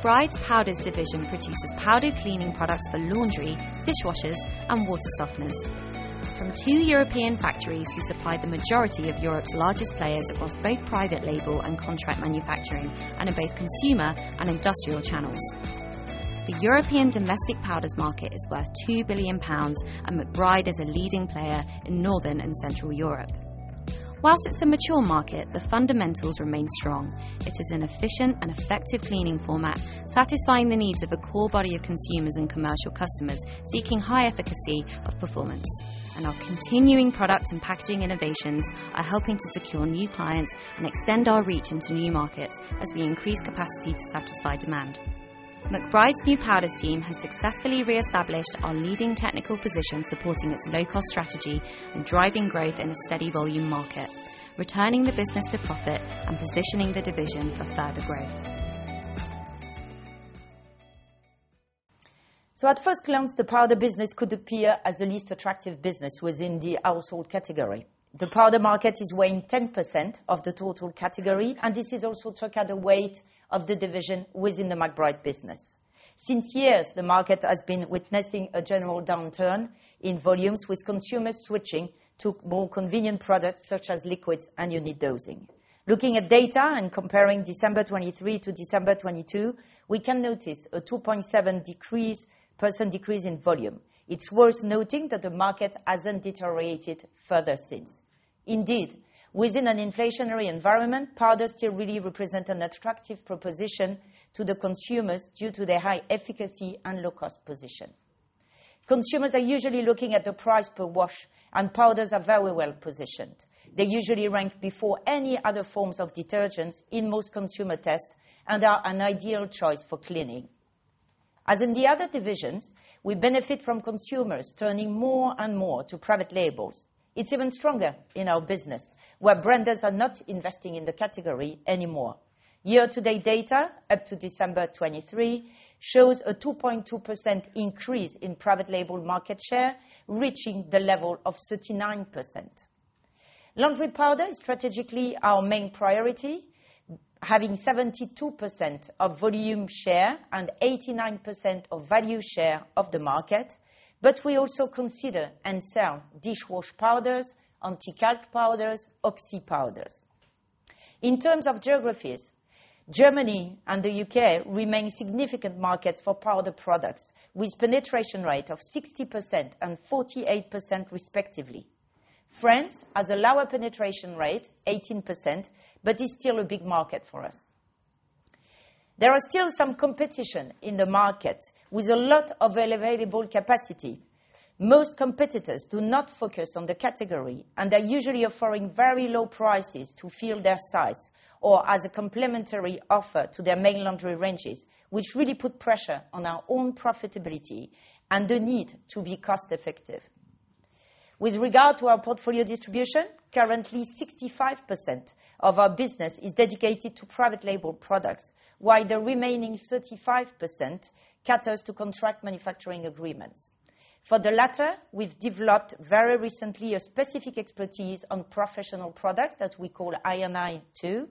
McBride's Powders Division produces powder cleaning products for laundry, dishwashers, and water softeners. From 2 European factories, we supply the majority of Europe's largest players across both private label and contract manufacturing and in both consumer and industrial channels. The European domestic powders market is worth 2 billion pounds, and McBride is a leading player in Northern and Central Europe. While it's a mature market, the fundamentals remain strong. It is an efficient and effective cleaning format, satisfying the needs of a core body of consumers and commercial customers seeking high efficacy of performance. Our continuing product and packaging innovations are helping to secure new clients and extend our reach into new markets as we increase capacity to satisfy demand. McBride's new powders team has successfully reestablished our leading technical position, supporting its low-cost strategy and driving growth in a steady volume market, returning the business to profit and positioning the division for further growth. So, at first glance, the powder business could appear as the least attractive business within the household category. The powder market is weighing 10% of the total category, and this is also the weight of the division within the McBride business. For years, the market has been witnessing a general downturn in volumes, with consumers switching to more convenient products such as liquids and unit dosing. Looking at data and comparing December 2023 to December 2022, we can notice a 2.7% decrease in volume. It's worth noting that the market hasn't deteriorated further since. Indeed, within an inflationary environment, powders still really represent an attractive proposition to the consumers due to their high efficacy and low-cost position. Consumers are usually looking at the price per wash, and powders are very well positioned. They usually rank before any other forms of detergents in most consumer tests and are an ideal choice for cleaning. As in the other divisions, we benefit from consumers turning more and more to private labels. It's even stronger in our business, where branders are not investing in the category anymore. Year-to-date data, up to December 23, shows a 2.2% increase in private label market share, reaching the level of 39%. Laundry powder is strategically our main priority, having 72% of volume share and 89% of value share of the market, but we also consider and sell dishwasher powders, anti-calc powders, and oxy powders. In terms of geographies, Germany and the U.K. remain significant markets for powder products, with a penetration rate of 60% and 48%, respectively. France has a lower penetration rate, 18%, but it's still a big market for us. There is still some competition in the market with a lot of available capacity. Most competitors do not focus on the category, and they're usually offering very low prices to fill their sites or as a complementary offer to their main laundry ranges, which really puts pressure on our own profitability and the need to be cost-effective. With regard to our portfolio distribution, currently, 65% of our business is dedicated to private label products, while the remaining 35% caters to contract manufacturing agreements. For the latter, we've developed very recently a specific expertise on professional products that we call INI2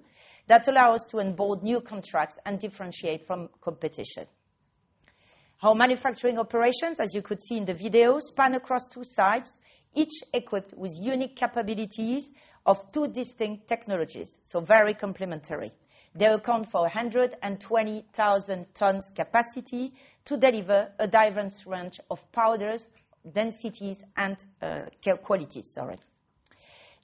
that allows us to onboard new contracts and differentiate from competition. Our manufacturing operations, as you could see in the video, span across two sites, each equipped with unique capabilities of two distinct technologies, so very complementary. They account for 120,000 tons capacity to deliver a diverse range of powders, densities, and qualities. Sorry.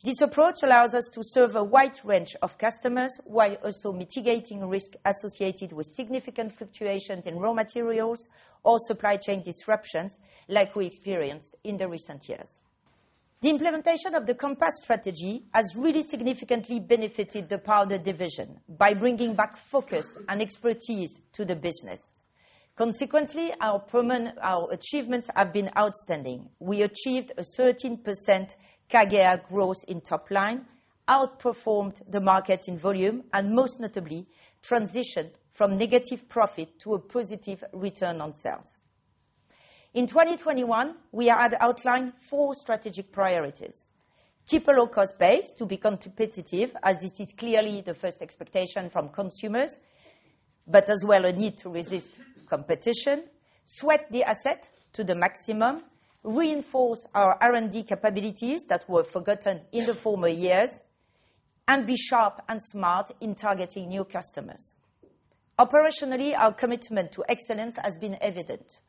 This approach allows us to serve a wide range of customers while also mitigating risks associated with significant fluctuations in raw materials or supply chain disruptions, like we experienced in the recent years. The implementation of the Compass strategy has really significantly benefited the powder division by bringing back focus and expertise to the business. Consequently, our achievements have been outstanding. We achieved a 13% CAGR growth in top line, outperformed the market in volume, and most notably, transitioned from negative profit to a positive return on sales. In 2021, we had outlined four strategic priorities: keep a low-cost base to become competitive, as this is clearly the first expectation from consumers, but as well a need to resist competition. Sweat the asset to the maximum. Reinforce our R&D capabilities that were forgotten in the former years. And be sharp and smart in targeting new customers. Operationally, our commitment to excellence has been evident.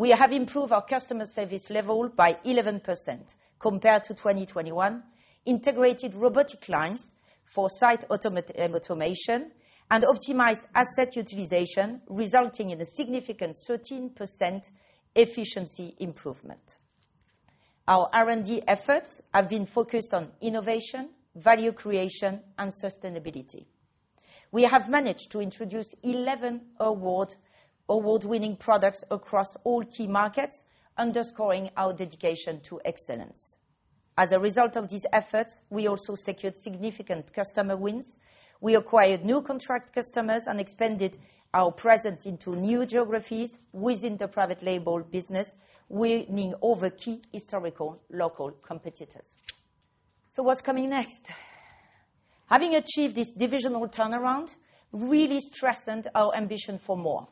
We have improved our customer service level by 11% compared to 2021, integrated robotic lines for site automation, and optimized asset utilization, resulting in a significant 13% efficiency improvement. Our R&D efforts have been focused on innovation, value creation, and sustainability. We have managed to introduce 11 award-winning products across all key markets, underscoring our dedication to excellence. As a result of these efforts, we also secured significant customer wins. We acquired new contract customers and expanded our presence into new geographies within the private label business, winning over key historical local competitors. So, what's coming next? Having achieved this divisional turnaround really strengthened our ambition for more.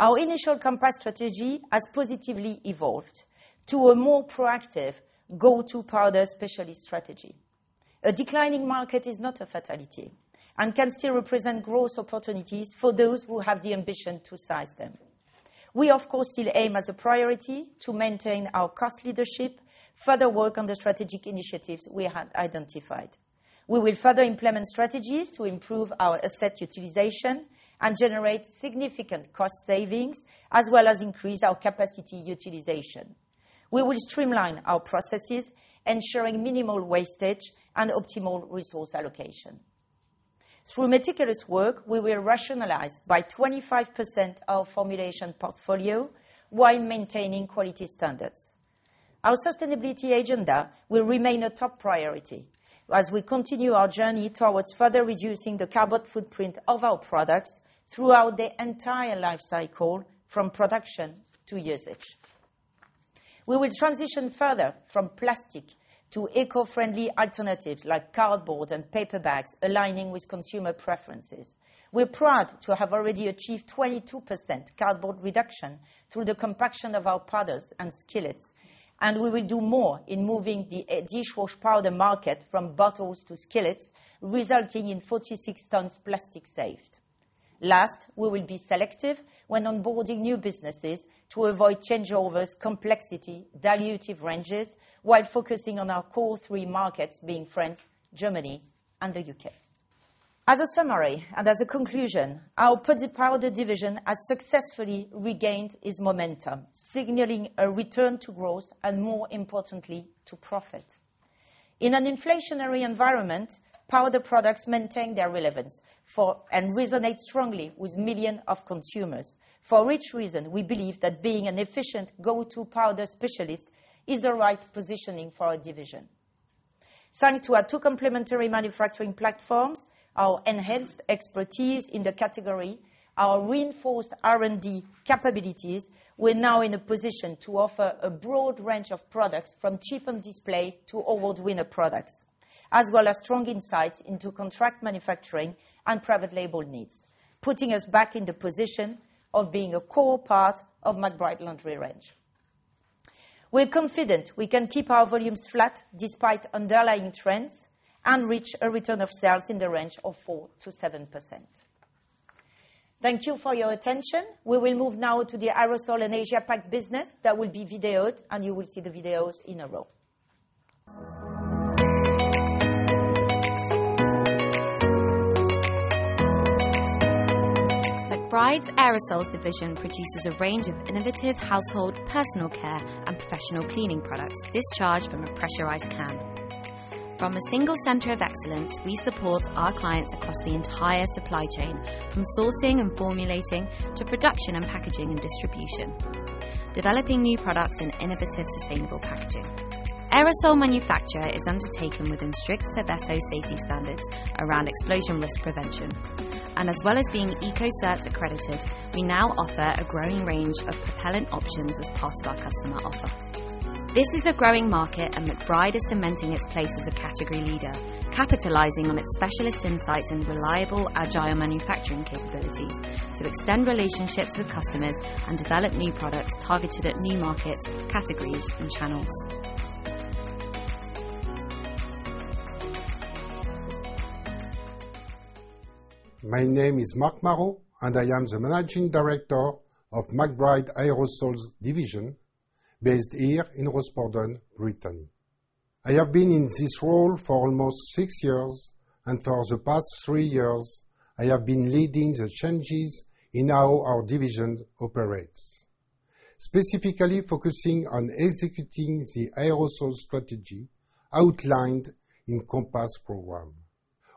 Our initial Compass strategy has positively evolved to a more proactive go-to powder specialist strategy. A declining market is not a fatality and can still represent growth opportunities for those who have the ambition to size them. We, of course, still aim as a priority to maintain our cost leadership, further work on the strategic initiatives we have identified. We will further implement strategies to improve our asset utilization and generate significant cost savings, as well as increase our capacity utilization. We will streamline our processes, ensuring minimal wastage and optimal resource allocation. Through meticulous work, we will rationalize by 25% our formulation portfolio while maintaining quality standards. Our sustainability agenda will remain a top priority as we continue our journey towards further reducing the carbon footprint of our products throughout the entire life cycle, from production to usage. We will transition further from plastic to eco-friendly alternatives like cardboard and paper bags, aligning with consumer preferences. We're proud to have already achieved 22% cardboard reduction through the compaction of our powders and skillets, and we will do more in moving the dishwasher powder market from bottles to skillets, resulting in 46 tons plastic saved. Last, we will be selective when onboarding new businesses to avoid changeovers, complexity, and dilutive ranges, while focusing on our core three markets, being France, Germany, and the UK. As a summary and as a conclusion, our powder division has successfully regained its momentum, signaling a return to growth and, more importantly, to profit. In an inflationary environment, powder products maintain their relevance and resonate strongly with millions of consumers. For which reason, we believe that being an efficient go-to powder specialist is the right positioning for our division. Thanks to our two complementary manufacturing platforms, our enhanced expertise in the category, and our reinforced R&D capabilities, we're now in a position to offer a broad range of products, from cheap on display to award-winning products, as well as strong insights into contract manufacturing and private label needs, putting us back in the position of being a core part of McBride Laundry range. We're confident we can keep our volumes flat despite underlying trends and reach a return of sales in the range of 4%-7%. Thank you for your attention. We will move now to the Aerosols and Asia Pacific business that will be videoed, and you will see the videos in a row. McBride's Aerosols division produces a range of innovative household personal care and professional cleaning products discharged from a pressurized can. From a single center of excellence, we support our clients across the entire supply chain, from sourcing and formulating to production and packaging and distribution, developing new products in innovative, sustainable packaging. Aerosol manufacture is undertaken within strict Seveso safety standards around explosion risk prevention, and as well as being ECOCERT accredited, we now offer a growing range of propellant options as part of our customer offer. This is a growing market, and McBride is cementing its place as a category leader, capitalizing on its specialist insights and reliable, agile manufacturing capabilities to extend relationships with customers and develop new products targeted at new markets, categories, and channels. My name is Marc Marot, and I am the Managing Director of McBride Aerosols division based here in Rosporden, Brittany. I have been in this role for almost six years, and for the past three years, I have been leading the changes in how our division operates, specifically focusing on executing the aerosol strategy outlined in the Compass program.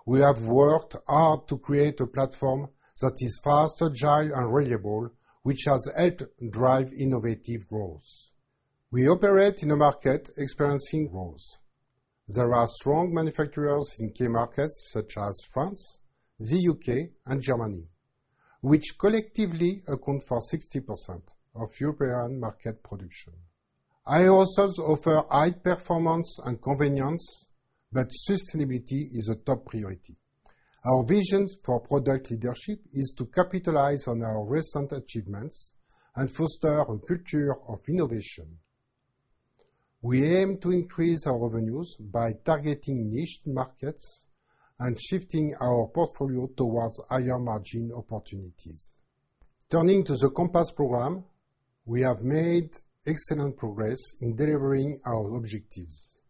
We have worked hard to create a platform that is fast, agile, and reliable, which has helped drive innovative growth. We operate in a market experiencing growth. There are strong manufacturers in key markets such as France, the UK, and Germany, which collectively account for 60% of European market production. Aerosols offer high performance and convenience, but sustainability is a top priority. Our vision for product leadership is to capitalize on our recent achievements and foster a culture of innovation. We aim to increase our revenues by targeting niched markets and shifting our portfolio towards higher margin opportunities. Turning to the Compass program, we have made excellent progress in delivering our objectives.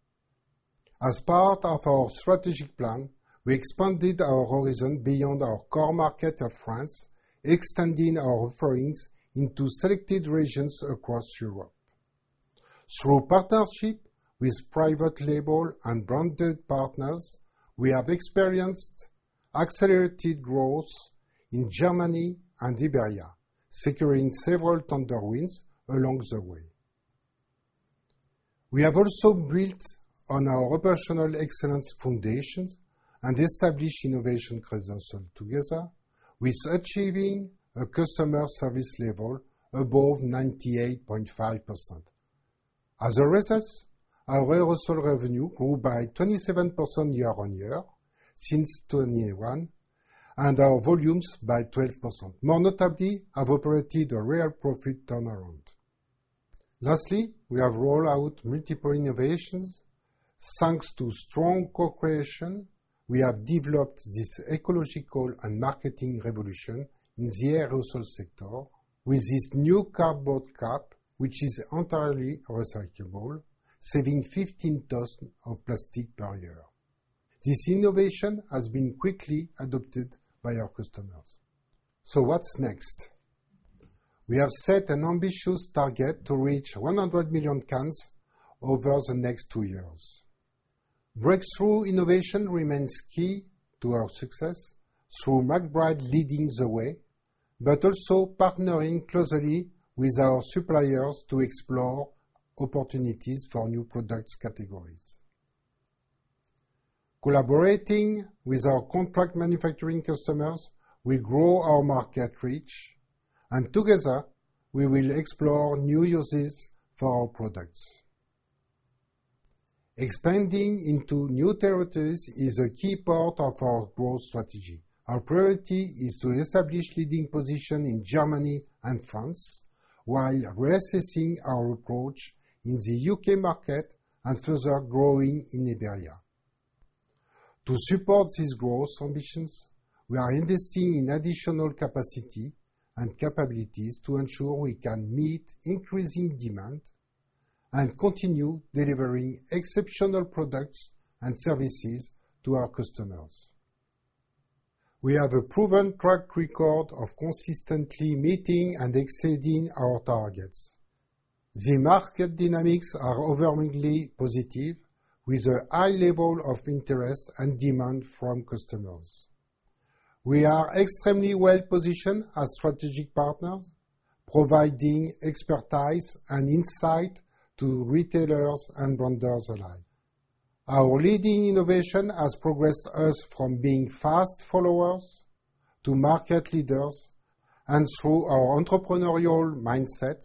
As part of our strategic plan, we expanded our horizon beyond our core market of France, extending our offerings into selected regions across Europe. Through partnership with private label and branded partners, we have experienced accelerated growth in Germany and Iberia, securing several tender wins along the way. We have also built on our operational excellence foundations and established innovation credentials together, with achieving a customer service level above 98.5%. As a result, our aerosol revenue grew by 27% year-on-year since 2021, and our volumes by 12%. More notably, we have operated a real profit turnaround. Lastly, we have rolled out multiple innovations. Thanks to strong co-creation, we have developed this ecological and marketing revolution in the aerosol sector with this new cardboard cap, which is entirely recyclable, saving 15 tons of plastic per year. This innovation has been quickly adopted by our customers. So, what's next? We have set an ambitious target to reach 100 million cans over the next 2 years. Breakthrough innovation remains key to our success through McBride leading the way, but also partnering closely with our suppliers to explore opportunities for new product categories. Collaborating with our contract manufacturing customers, we grow our market reach, and together, we will explore new uses for our products. Expanding into new territories is a key part of our growth strategy. Our priority is to establish leading positions in Germany and France while reassessing our approach in the UK market and further growing in Iberia. To support these growth ambitions, we are investing in additional capacity and capabilities to ensure we can meet increasing demand and continue delivering exceptional products and services to our customers. We have a proven track record of consistently meeting and exceeding our targets. The market dynamics are overwhelmingly positive, with a high level of interest and demand from customers. We are extremely well positioned as strategic partners, providing expertise and insight to retailers and vendors alike. Our leading innovation has progressed us from being fast followers to market leaders, and through our entrepreneurial mindset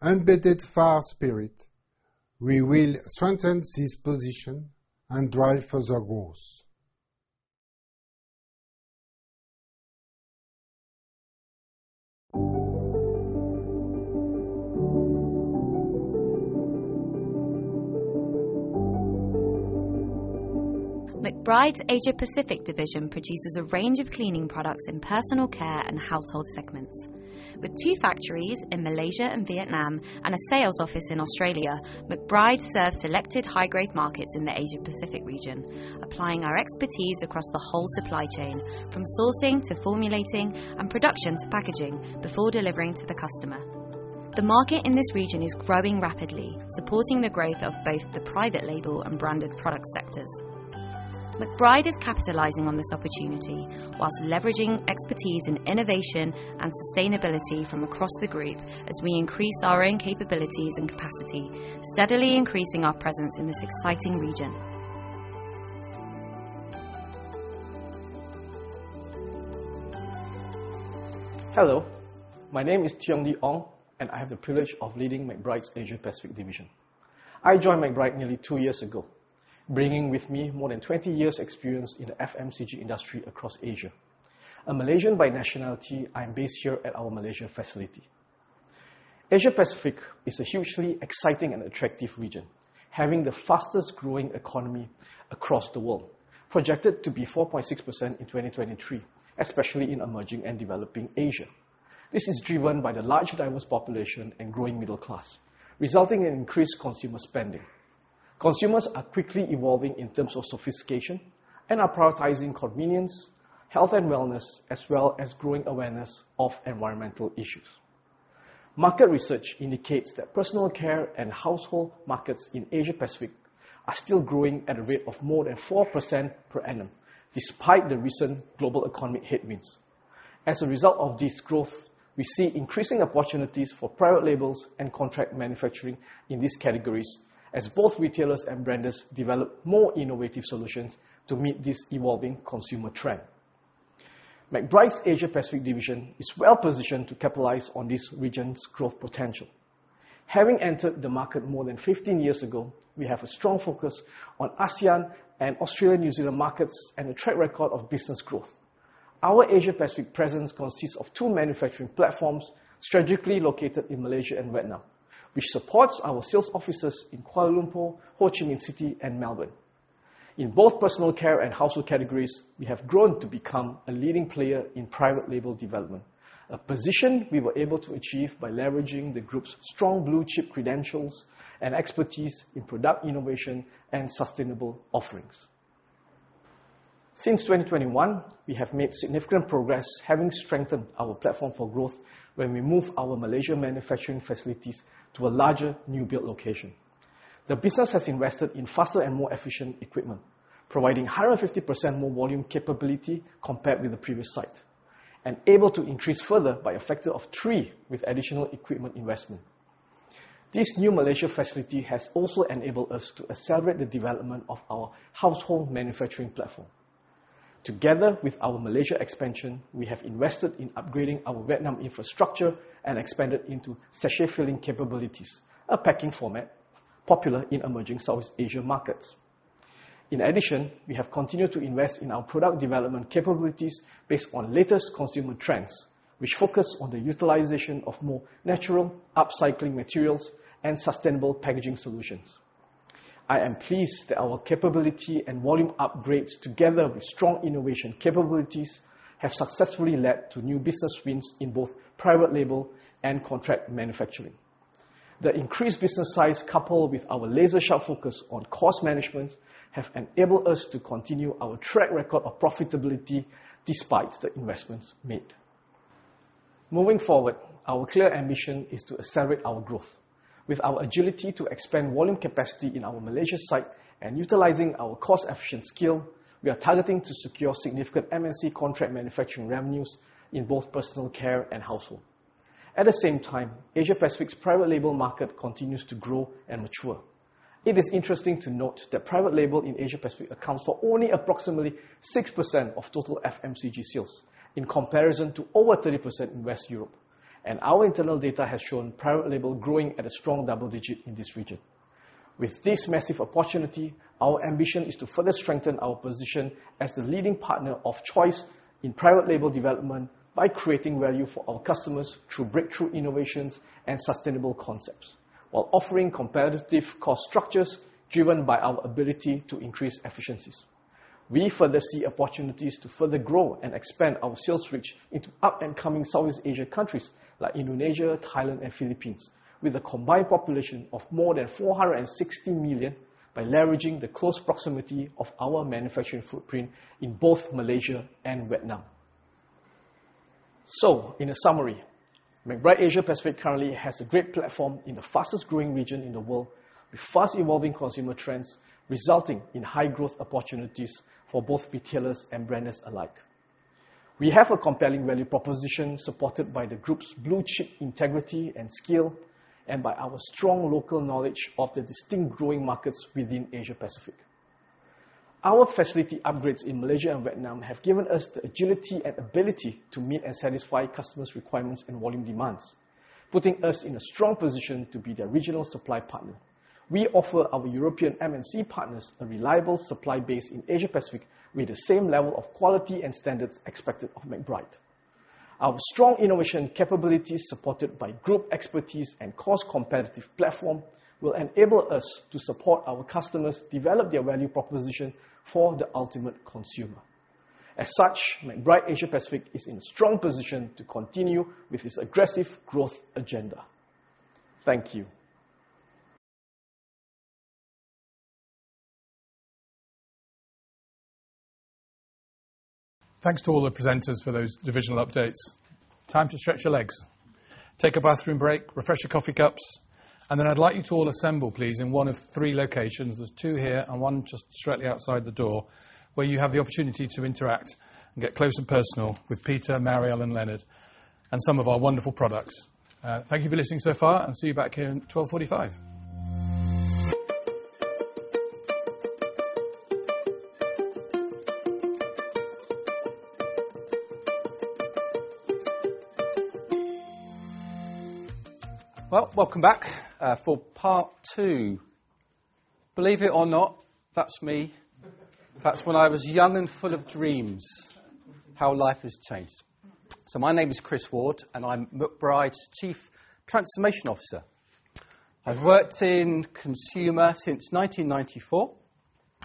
and embedded fire spirit, we will strengthen this position and drive further growth. McBride's Asia Pacific division produces a range of cleaning products in personal care and household segments. With two factories in Malaysia and Vietnam and a sales office in Australia, McBride serves selected high-growth markets in the Asia Pacific region, applying our expertise across the whole supply chain, from sourcing to formulating and production to packaging before delivering to the customer. The market in this region is growing rapidly, supporting the growth of both the private label and branded product sectors. McBride is capitalizing on this opportunity while leveraging expertise in innovation and sustainability from across the group as we increase our own capabilities and capacity, steadily increasing our presence in this exciting region. Hello. My name is Teong Dee Ong, and I have the privilege of leading McBride's Asia Pacific division. I joined McBride nearly 2 years ago, bringing with me more than 20 years' experience in the FMCG industry across Asia. A Malaysian by nationality, I am based here at our Malaysia facility. Asia Pacific is a hugely exciting and attractive region, having the fastest-growing economy across the world, projected to be 4.6% in 2023, especially in emerging and developing Asia. This is driven by the large diverse population and growing middle class, resulting in increased consumer spending. Consumers are quickly evolving in terms of sophistication and are prioritizing convenience, health and wellness, as well as growing awareness of environmental issues. Market research indicates that personal care and household markets in Asia Pacific are still growing at a rate of more than 4% per annum, despite the recent global economic headwinds. As a result of this growth, we see increasing opportunities for private labels and contract manufacturing in these categories, as both retailers and vendors develop more innovative solutions to meet this evolving consumer trend. McBride's Asia Pacific division is well positioned to capitalize on this region's growth potential. Having entered the market more than 15 years ago, we have a strong focus on ASEAN and Australia-New Zealand markets and a track record of business growth. Our Asia Pacific presence consists of 2 manufacturing platforms strategically located in Malaysia and Vietnam, which supports our sales offices in Kuala Lumpur, Ho Chi Minh City, and Melbourne. In both personal care and household categories, we have grown to become a leading player in private label development, a position we were able to achieve by leveraging the group's strong blue chip credentials and expertise in product innovation and sustainable offerings. Since 2021, we have made significant progress, having strengthened our platform for growth when we moved our Malaysia manufacturing facilities to a larger new-built location. The business has invested in faster and more efficient equipment, providing 150% more volume capability compared with the previous site, and able to increase further by a factor of 3 with additional equipment investment. This new Malaysia facility has also enabled us to accelerate the development of our household manufacturing platform. Together with our Malaysia expansion, we have invested in upgrading our Vietnam infrastructure and expanded into sachet filling capabilities, a packing format popular in emerging Southeast Asia markets. In addition, we have continued to invest in our product development capabilities based on latest consumer trends, which focus on the utilization of more natural upcycling materials and sustainable packaging solutions. I am pleased that our capability and volume upgrades, together with strong innovation capabilities, have successfully led to new business wins in both private label and contract manufacturing. The increased business size, coupled with our laser-sharp focus on cost management, has enabled us to continue our track record of profitability despite the investments made. Moving forward, our clear ambition is to accelerate our growth. With our agility to expand volume capacity in our Malaysia site and utilizing our cost-efficient skill, we are targeting to secure significant MNC contract manufacturing revenues in both personal care and household. At the same time, Asia Pacific's private label market continues to grow and mature. It is interesting to note that private label in Asia Pacific accounts for only approximately 6% of total FMCG sales, in comparison to over 30% in West Europe, and our internal data has shown private label growing at a strong double digit in this region. With this massive opportunity, our ambition is to further strengthen our position as the leading partner of choice in private label development by creating value for our customers through breakthrough innovations and sustainable concepts, while offering competitive cost structures driven by our ability to increase efficiencies. We further see opportunities to further grow and expand our sales reach into up-and-coming Southeast Asia countries like Indonesia, Thailand, and Philippines, with a combined population of more than 460 million by leveraging the close proximity of our manufacturing footprint in both Malaysia and Vietnam. In a summary, McBride Asia Pacific currently has a great platform in the fastest-growing region in the world, with fast evolving consumer trends resulting in high growth opportunities for both retailers and vendors alike. We have a compelling value proposition supported by the group's blue chip integrity and skill, and by our strong local knowledge of the distinct growing markets within Asia Pacific. Our facility upgrades in Malaysia and Vietnam have given us the agility and ability to meet and satisfy customers' requirements and volume demands, putting us in a strong position to be their regional supply partner. We offer our European MNC partners a reliable supply base in Asia Pacific with the same level of quality and standards expected of McBride. Our strong innovation capabilities, supported by group expertise and cost-competitive platform, will enable us to support our customers develop their value proposition for the ultimate consumer. As such, McBride Asia Pacific is in a strong position to continue with its aggressive growth agenda. Thank you. Thanks to all the presenters for those divisional updates. Time to stretch your legs. Take a bathroom break, refresh your coffee cups, and then I'd like you to all assemble, please, in one of three locations. There's two here and one just straight outside the door, where you have the opportunity to interact and get close and personal with Peter, Marielle, and Lennard, and some of our wonderful products. Thank you for listening so far, and see you back here at 12:45 P.M. Well, welcome back for part two. Believe it or not, that's me. That's when I was young and full of dreams, how life has changed. So my name is Chris Ward, and I'm McBride's Chief Transformation Officer. I've worked in consumer since 1994,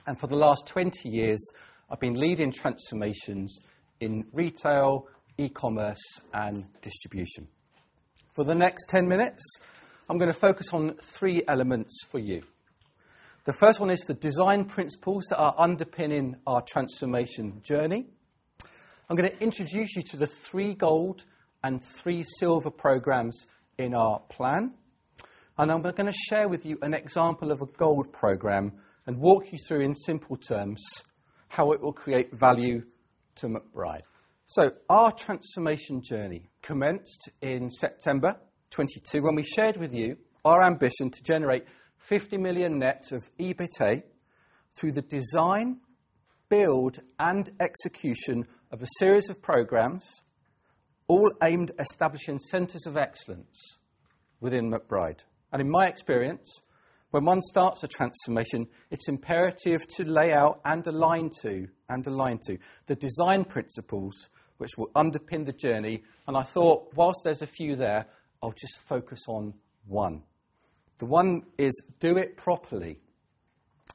and for the last 20 years, I've been leading transformations in retail, e-commerce, and distribution. For the next 10 minutes, I'm going to focus on three elements for you. The first one is the design principles that are underpinning our transformation journey. I'm going to introduce you to the three gold and three silver programs in our plan, and I'm going to share with you an example of a gold program and walk you through, in simple terms, how it will create value to McBride. So our transformation journey commenced in September 2022, when we shared with you our ambition to generate 50 million net of EBITDA through the design, build, and execution of a series of programs, all aimed at establishing centers of excellence within McBride. In my experience, when one starts a transformation, it's imperative to lay out and align to the design principles which will underpin the journey, and I thought, while there's a few there, I'll just focus on one. The one is do it properly.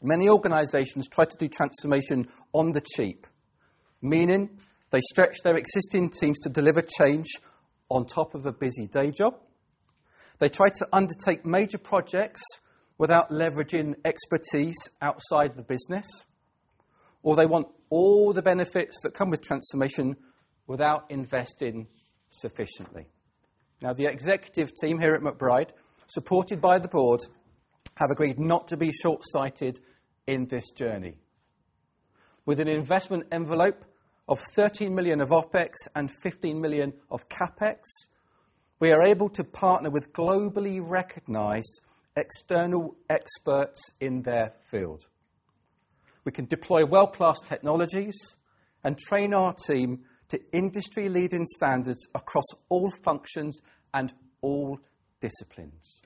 Many organizations try to do transformation on the cheap, meaning they stretch their existing teams to deliver change on top of a busy day job. They try to undertake major projects without leveraging expertise outside of the business, or they want all the benefits that come with transformation without investing sufficiently. Now, the executive team here at McBride, supported by the board, have agreed not to be short-sighted in this journey. With an investment envelope of 13 million of OpEx and 15 million of CapEx, we are able to partner with globally recognised external experts in their field. We can deploy world-class technologies and train our team to industry-leading standards across all functions and all disciplines.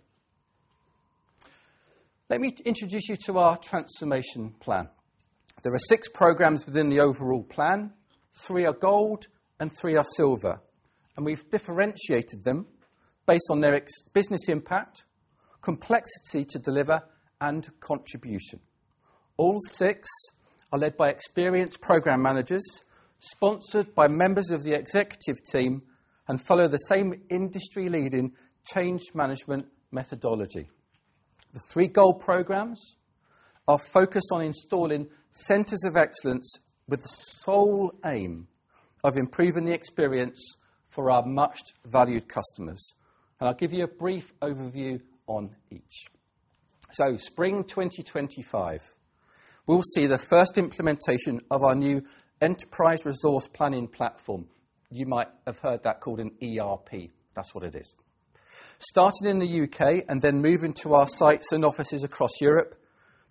Let me introduce you to our transformation plan. There are six programs within the overall plan. Three are gold, and three are silver, and we've differentiated them based on their business impact, complexity to deliver, and contribution. All six are led by experienced program managers, sponsored by members of the executive team, and follow the same industry-leading change management methodology. The three gold programs are focused on installing centers of excellence with the sole aim of improving the experience for our much-valued customers, and I'll give you a brief overview on each. So, spring 2025, we'll see the first implementation of our new enterprise resource planning platform. You might have heard that called an ERP. That's what it is. Starting in the UK and then moving to our sites and offices across Europe,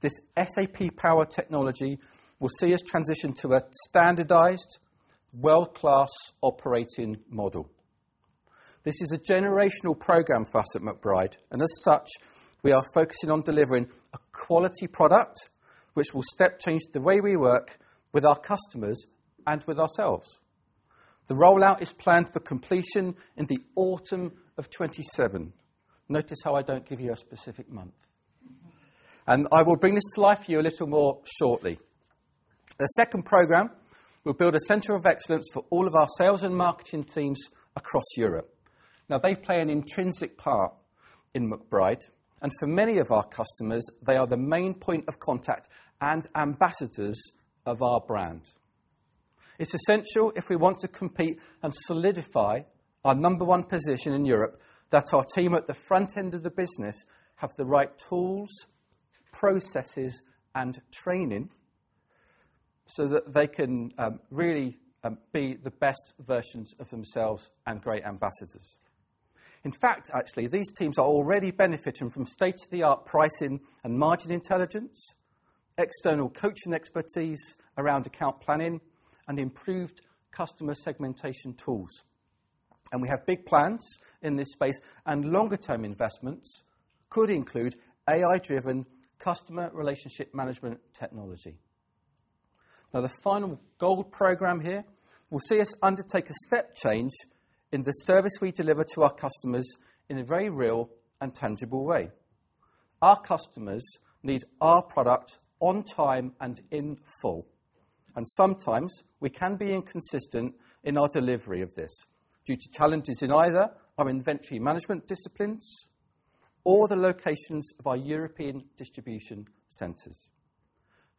this SAP Power technology will see us transition to a standardized, world-class operating model. This is a generational program for us at McBride, and as such, we are focusing on delivering a quality product which will step change the way we work with our customers and with ourselves. The rollout is planned for completion in the autumn of 2027. Notice how I don't give you a specific month. I will bring this to life for you a little more shortly. The second program will build a center of excellence for all of our sales and marketing teams across Europe. Now, they play an intrinsic part in McBride, and for many of our customers, they are the main point of contact and ambassadors of our brand. It's essential, if we want to compete and solidify our number one position in Europe, that our team at the front end of the business have the right tools, processes, and training so that they can really be the best versions of themselves and great ambassadors. In fact, actually, these teams are already benefiting from state-of-the-art pricing and margin intelligence, external coaching expertise around account planning, and improved customer segmentation tools. We have big plans in this space, and longer-term investments could include AI-driven customer relationship management technology. Now, the final gold program here will see us undertake a step change in the service we deliver to our customers in a very real and tangible way. Our customers need our product on time and in full, and sometimes we can be inconsistent in our delivery of this due to challenges in either our inventory management disciplines or the locations of our European distribution centers.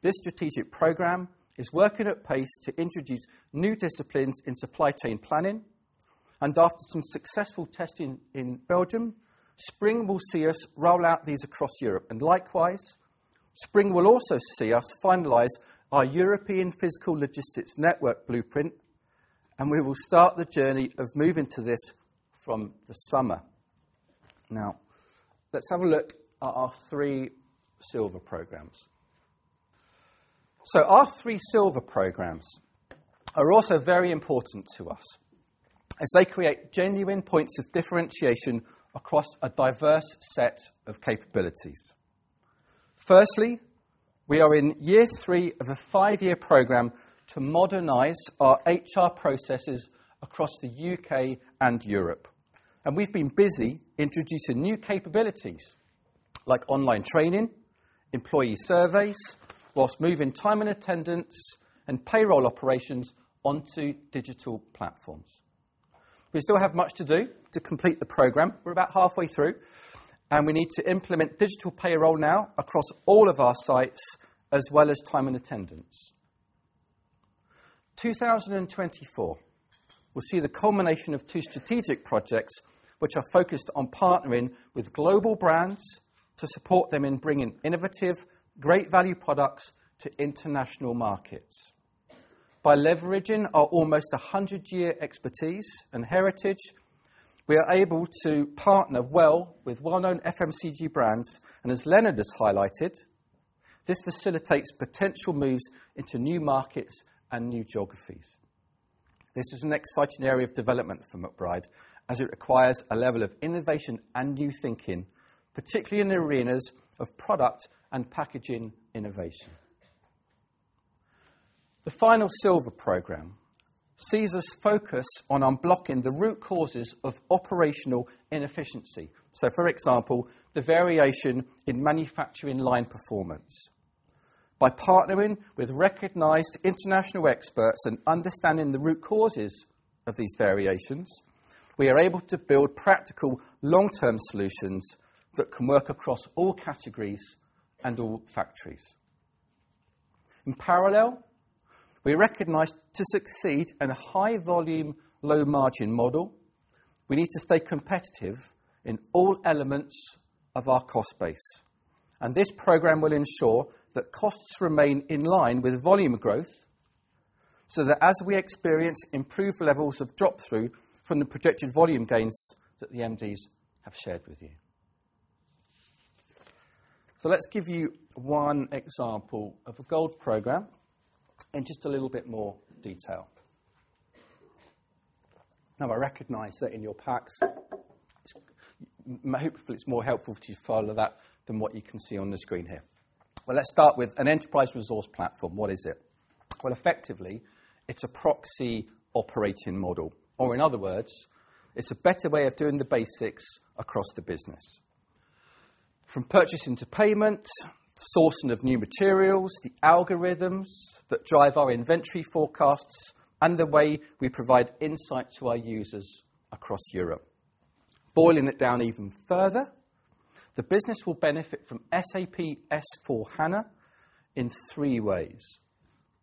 This strategic program is working at pace to introduce new disciplines in supply chain planning, and after some successful testing in Belgium, spring will see us roll out these across Europe, and likewise, spring will also see us finalize our European physical logistics network blueprint, and we will start the journey of moving to this from the summer. Now, let's have a look at our three silver programs. So our three silver programs are also very important to us as they create genuine points of differentiation across a diverse set of capabilities. Firstly, we are in year 3 of a 5-year program to modernize our HR processes across the UK and Europe, and we've been busy introducing new capabilities like online training, employee surveys, while moving time and attendance and payroll operations onto digital platforms. We still have much to do to complete the program. We're about halfway through, and we need to implement digital payroll now across all of our sites as well as time and attendance. 2024 will see the culmination of two strategic projects which are focused on partnering with global brands to support them in bringing innovative, great value products to international markets. By leveraging our almost 100-year expertise and heritage, we are able to partner well with well-known FMCG brands, and as Lennard has highlighted, this facilitates potential moves into new markets and new geographies. This is an exciting area of development for McBride as it requires a level of innovation and new thinking, particularly in the arenas of product and packaging innovation. The final silver program sees us focus on unblocking the root causes of operational inefficiency, so for example, the variation in manufacturing line performance. By partnering with recognized international experts and understanding the root causes of these variations, we are able to build practical long-term solutions that can work across all categories and all factories. In parallel, we recognize to succeed in a high-volume, low-margin model, we need to stay competitive in all elements of our cost base, and this program will ensure that costs remain in line with volume growth so that as we experience improved levels of drop-through from the projected volume gains that the MDs have shared with you. So let's give you one example of a gold programme in just a little bit more detail. Now, I recognize that in your packs, hopefully it's more helpful to you to follow that than what you can see on the screen here. Well, let's start with an enterprise resource platform. What is it? Well, effectively, it's a proxy operating model. Or in other words, it's a better way of doing the basics across the business. From purchasing to payment, sourcing of new materials, the algorithms that drive our inventory forecasts, and the way we provide insights to our users across Europe. Boiling it down even further, the business will benefit from SAP S/4HANA in three ways.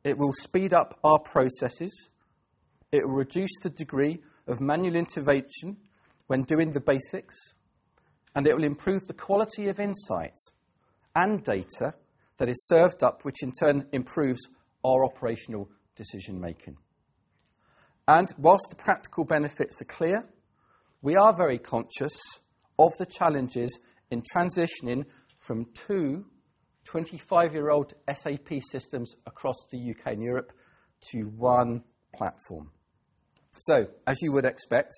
It will speed up our processes. It will reduce the degree of manual intervention when doing the basics, and it will improve the quality of insights and data that is served up, which in turn improves our operational decision-making. While the practical benefits are clear, we are very conscious of the challenges in transitioning from two 25-year-old SAP systems across the UK and Europe to one platform. As you would expect,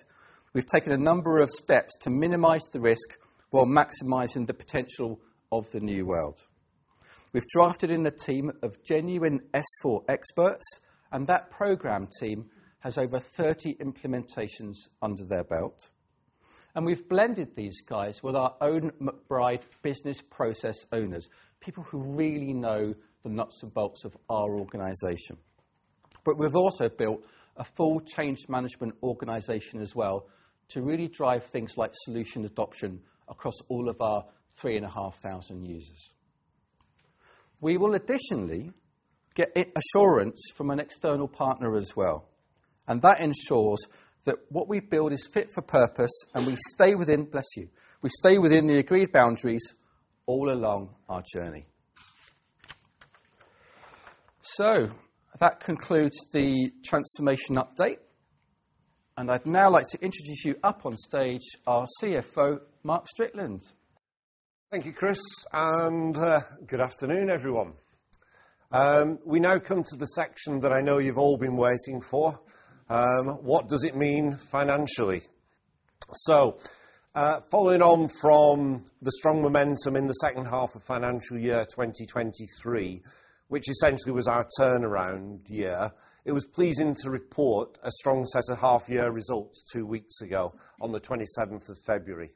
we've taken a number of steps to minimize the risk while maximizing the potential of the new world. We've drafted in a team of genuine S/4 experts, and that programme team has over 30 implementations under their belt. We've blended these guys with our own McBride business process owners, people who really know the nuts and bolts of our organization. But we've also built a full change management organization as well to really drive things like solution adoption across all of our 3,500 users. We will additionally get assurance from an external partner as well, and that ensures that what we build is fit for purpose and we stay within, bless you, we stay within the agreed boundaries all along our journey. So that concludes the transformation update, and I'd now like to introduce you up on stage our CFO, Mark Strickland. Thank you, Chris, and good afternoon, everyone. We now come to the section that I know you've all been waiting for. What does it mean financially? So following on from the strong momentum in the second half of financial year 2023, which essentially was our turnaround year, it was pleasing to report a strong set of half-year results two weeks ago on the 27th of February.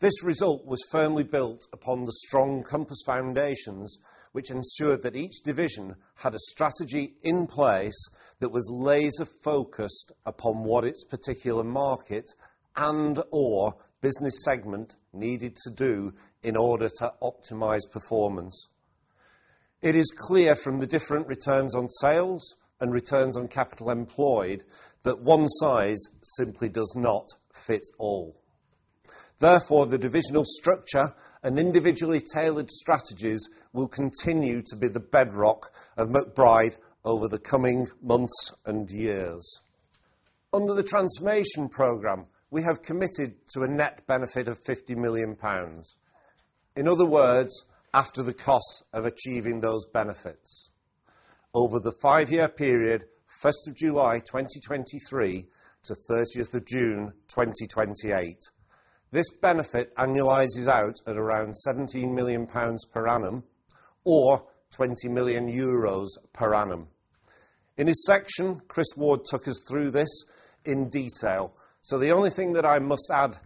This result was firmly built upon the strong Compass foundations, which ensured that each division had a strategy in place that was laser-focused upon what its particular market and/or business segment needed to do in order to optimize performance. It is clear from the different returns on sales and returns on capital employed that one size simply does not fit all. Therefore, the divisional structure and individually tailored strategies will continue to be the bedrock of McBride over the coming months and years. Under the transformation program, we have committed to a net benefit of 50 million pounds. In other words, after the costs of achieving those benefits. Over the 5-year period, first of July 2023 to 30th of June 2028, this benefit annualizes out at around 17 million pounds per annum or 20 million euros per annum. In his section, Chris Ward took us through this in detail, so the only thing that I must add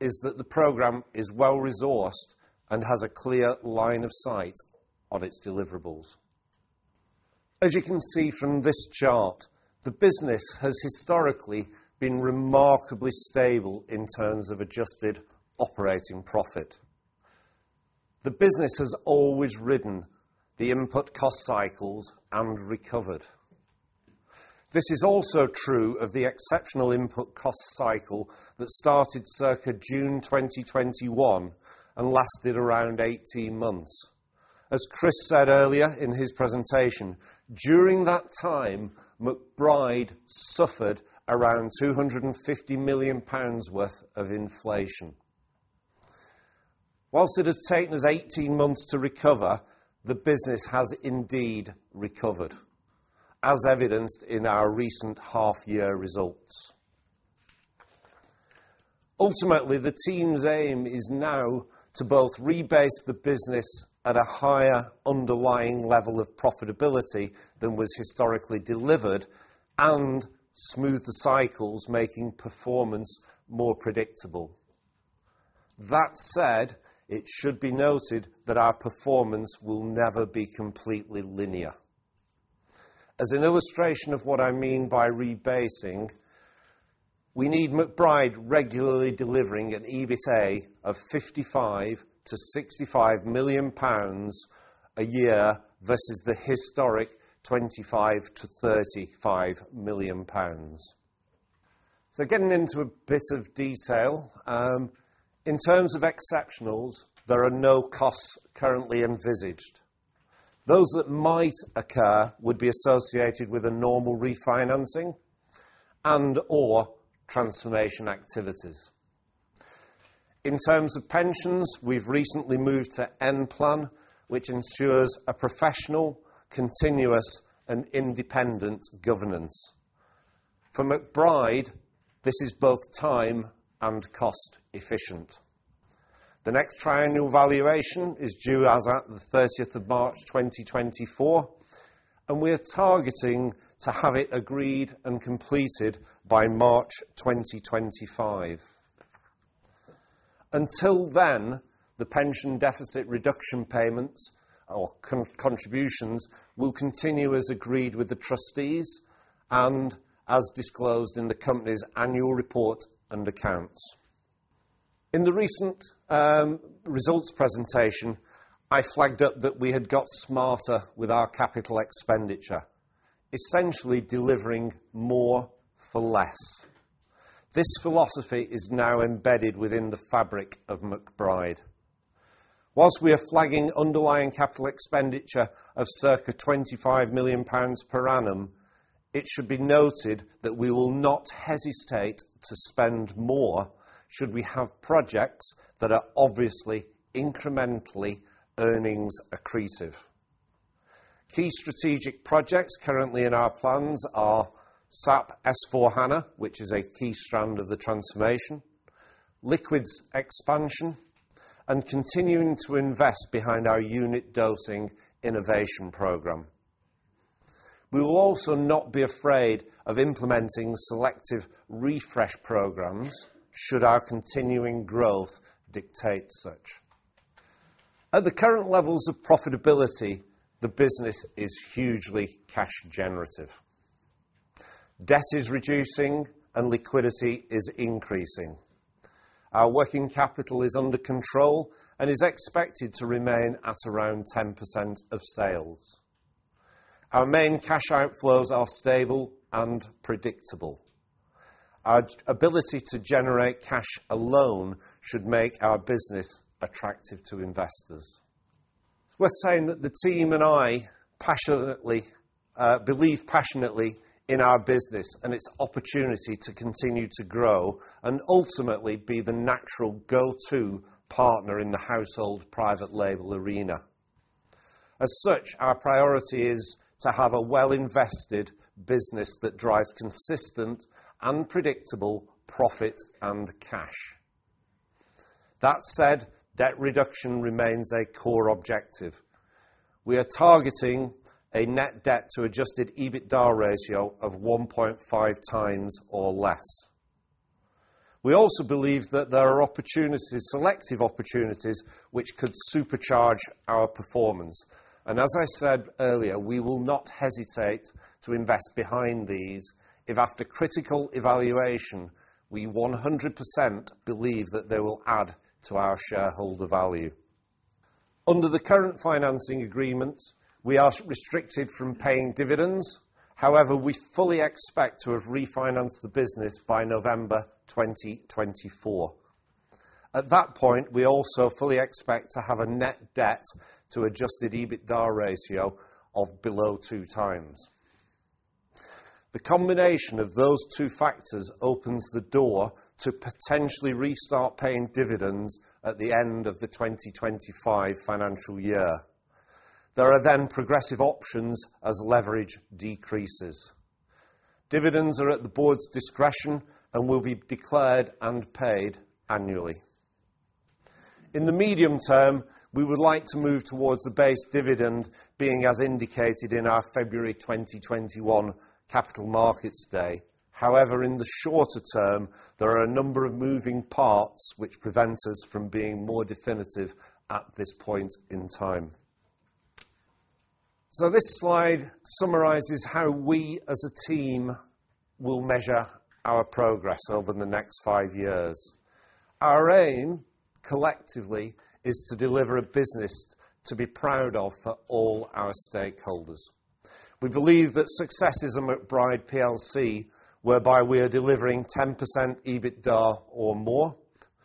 is that the program is well-resourced and has a clear line of sight on its deliverables. As you can see from this chart, the business has historically been remarkably stable in terms of adjusted operating profit. The business has always ridden the input cost cycles and recovered. This is also true of the exceptional input cost cycle that started circa June 2021 and lasted around 18 months. As Chris said earlier in his presentation, during that time, McBride suffered around 250 million pounds worth of inflation. While it has taken us 18 months to recover, the business has indeed recovered, as evidenced in our recent half-year results. Ultimately, the team's aim is now to both rebase the business at a higher underlying level of profitability than was historically delivered and smooth the cycles, making performance more predictable. That said, it should be noted that our performance will never be completely linear. As an illustration of what I mean by rebasing, we need McBride regularly delivering an EBITDA of 55 million-65 million pounds a year versus the historic 25 million-35 million pounds. So getting into a bit of detail, in terms of exceptionals, there are no costs currently envisaged. Those that might occur would be associated with a normal refinancing and/or transformation activities. In terms of pensions, we've recently moved to Enplan, which ensures a professional, continuous, and independent governance. For McBride, this is both time and cost-efficient. The next triennial valuation is due as at the 30th of March 2024, and we are targeting to have it agreed and completed by March 2025. Until then, the pension deficit reduction payments or contributions will continue as agreed with the trustees and as disclosed in the company's annual report and accounts. In the recent results presentation, I flagged up that we had got smarter with our capital expenditure, essentially delivering more for less. This philosophy is now embedded within the fabric of McBride. Whilst we are flagging underlying capital expenditure of circa 25 million pounds per annum, it should be noted that we will not hesitate to spend more should we have projects that are obviously incrementally earnings accretive. Key strategic projects currently in our plans are SAP S/4HANA, which is a key strand of the transformation, liquids expansion, and continuing to invest behind our unit dosing innovation program. We will also not be afraid of implementing selective refresh programs should our continuing growth dictate such. At the current levels of profitability, the business is hugely cash-generative. Debt is reducing and liquidity is increasing. Our working capital is under control and is expected to remain at around 10% of sales. Our main cash outflows are stable and predictable. Our ability to generate cash alone should make our business attractive to investors. We're saying that the team and I passionately, believe passionately in our business and its opportunity to continue to grow and ultimately be the natural go-to partner in the household private label arena. As such, our priority is to have a well-invested business that drives consistent and predictable profit and cash. That said, debt reduction remains a core objective. We are targeting a net debt to adjusted EBITDA ratio of 1.5 times or less. We also believe that there are opportunities, selective opportunities, which could supercharge our performance. And as I said earlier, we will not hesitate to invest behind these if after critical evaluation we 100% believe that they will add to our shareholder value. Under the current financing agreements, we are restricted from paying dividends. However, we fully expect to have refinanced the business by November 2024. At that point, we also fully expect to have a net debt to adjusted EBITDA ratio of below 2 times. The combination of those two factors opens the door to potentially restart paying dividends at the end of the 2025 financial year. There are then progressive options as leverage decreases. Dividends are at the board's discretion and will be declared and paid annually. In the medium term, we would like to move towards the base dividend being as indicated in our February 2021 Capital Markets Day. However, in the shorter term, there are a number of moving parts which prevent us from being more definitive at this point in time. So this slide summarises how we as a team will measure our progress over the next five years. Our aim collectively is to deliver a business to be proud of for all our stakeholders. We believe that success is a McBride plc whereby we are delivering 10% EBITDA or more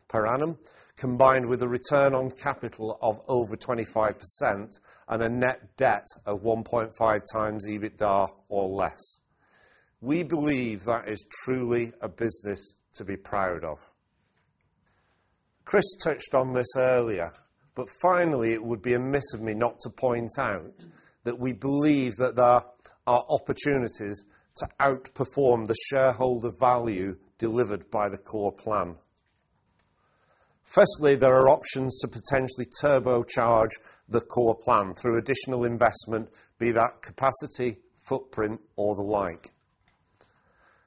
per annum, combined with a return on capital of over 25% and a net debt of 1.5 times EBITDA or less. We believe that is truly a business to be proud of. Chris touched on this earlier, but finally, it would be a miss of me not to point out that we believe that there are opportunities to outperform the shareholder value delivered by the core plan. Firstly, there are options to potentially turbocharge the core plan through additional investment, be that capacity, footprint, or the like.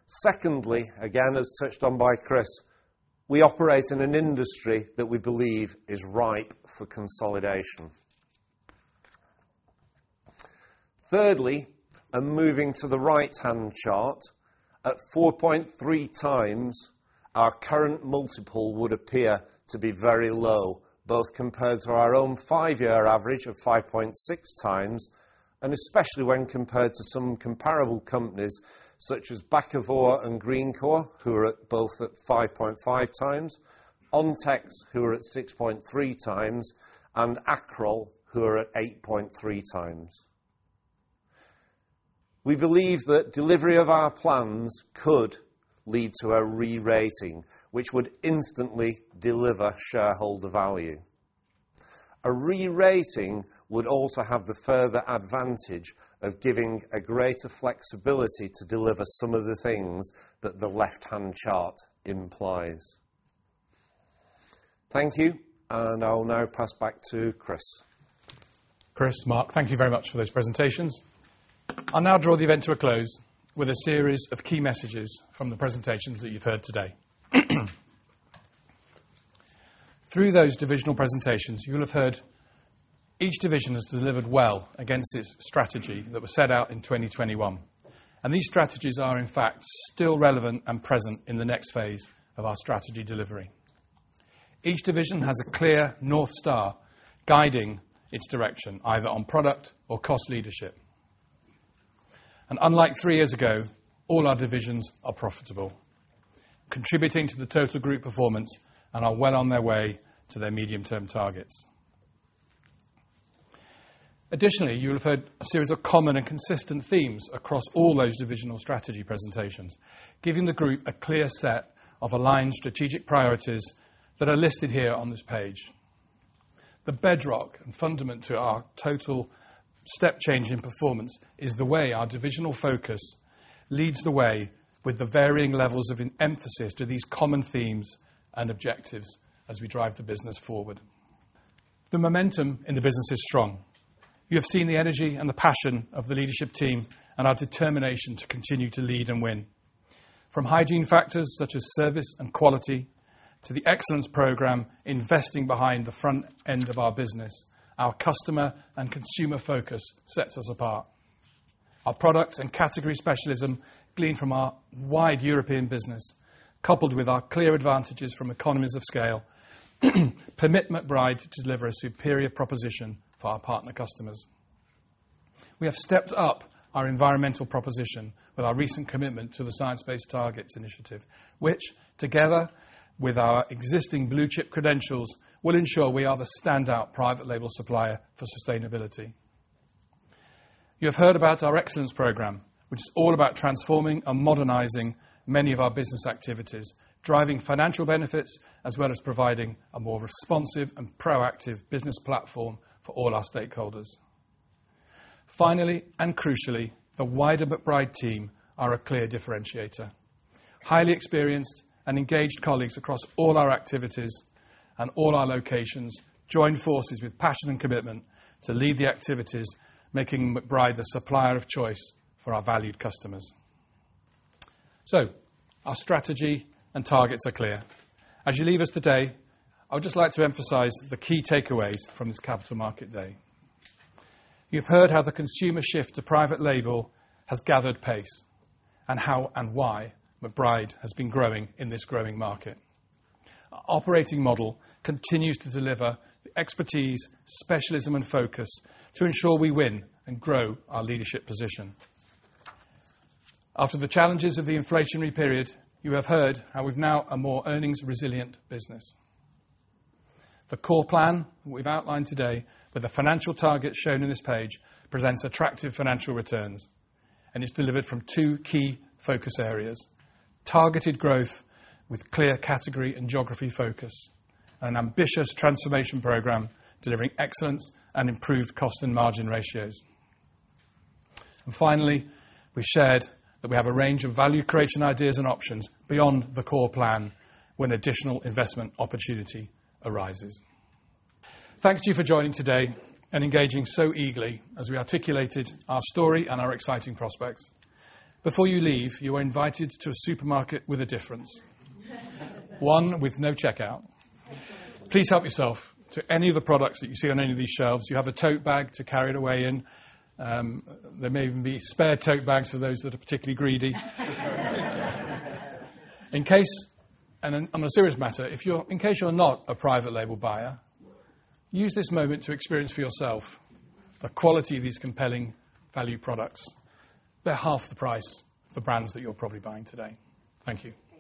Secondly, again, as touched on by Chris, we operate in an industry that we believe is ripe for consolidation. Thirdly, and moving to the right-hand chart, at 4.3x, our current multiple would appear to be very low, both compared to our own five-year average of 5.6x, and especially when compared to some comparable companies such as Bakkavor and Greencore, who are both at 5.5x, Ontex, who are at 6.3x, and Accrol, who are at 8.3x. We believe that delivery of our plans could lead to a re-rating, which would instantly deliver shareholder value. A re-rating would also have the further advantage of giving a greater flexibility to deliver some of the things that the left-hand chart implies. Thank you, and I'll now pass back to Chris. Chris, Mark, thank you very much for those presentations. I'll now draw the event to a close with a series of key messages from the presentations that you've heard today. Through those divisional presentations, you'll have heard each division has delivered well against its strategy that was set out in 2021, and these strategies are, in fact, still relevant and present in the next phase of our strategy delivery. Each division has a clear north star guiding its direction, either on product or cost leadership. Unlike three years ago, all our divisions are profitable, contributing to the total group performance and are well on their way to their medium-term targets. Additionally, you'll have heard a series of common and consistent themes across all those divisional strategy presentations, giving the group a clear set of aligned strategic priorities that are listed here on this page. The bedrock and fundament to our total step change in performance is the way our divisional focus leads the way with the varying levels of emphasis to these common themes and objectives as we drive the business forward. The momentum in the business is strong. You have seen the energy and the passion of the leadership team and our determination to continue to lead and win. From hygiene factors such as service and quality to the excellence program investing behind the front end of our business, our customer and consumer focus sets us apart. Our product and category specialism gleaned from our wide European business, coupled with our clear advantages from economies of scale, permit McBride to deliver a superior proposition for our partner customers. We have stepped up our environmental proposition with our recent commitment to the Science Based Targets Initiative, which, together with our existing blue-chip credentials, will ensure we are the standout private label supplier for sustainability. You have heard about our excellence program, which is all about transforming and modernizing many of our business activities, driving financial benefits as well as providing a more responsive and proactive business platform for all our stakeholders. Finally, and crucially, the wider McBride team are a clear differentiator. Highly experienced and engaged colleagues across all our activities and all our locations join forces with passion and commitment to lead the activities, making McBride the supplier of choice for our valued customers. So our strategy and targets are clear. As you leave us today, I would just like to emphasize the key takeaways from this Capital Markets Day. You have heard how the consumer shift to private label has gathered pace and how and why McBride has been growing in this growing market. Our operating model continues to deliver the expertise, specialism, and focus to ensure we win and grow our leadership position. After the challenges of the inflationary period, you have heard how we've now a more earnings-resilient business. The core plan that we've outlined today, with the financial targets shown in this page, presents attractive financial returns and is delivered from two key focus areas: targeted growth with clear category and geography focus, and an ambitious transformation program delivering excellence and improved cost and margin ratios. And finally, we've shared that we have a range of value creation ideas and options beyond the core plan when additional investment opportunity arises. Thanks to you for joining today and engaging so eagerly as we articulated our story and our exciting prospects. Before you leave, you are invited to a supermarket with a difference. One with no checkout. Please help yourself to any of the products that you see on any of these shelves. You have a tote bag to carry it away in. There may even be spare tote bags for those that are particularly greedy. In case and on a serious matter, if you're in case you're not a private label buyer, use this moment to experience for yourself the quality of these compelling value products. They're half the price for brands that you're probably buying today. Thank you.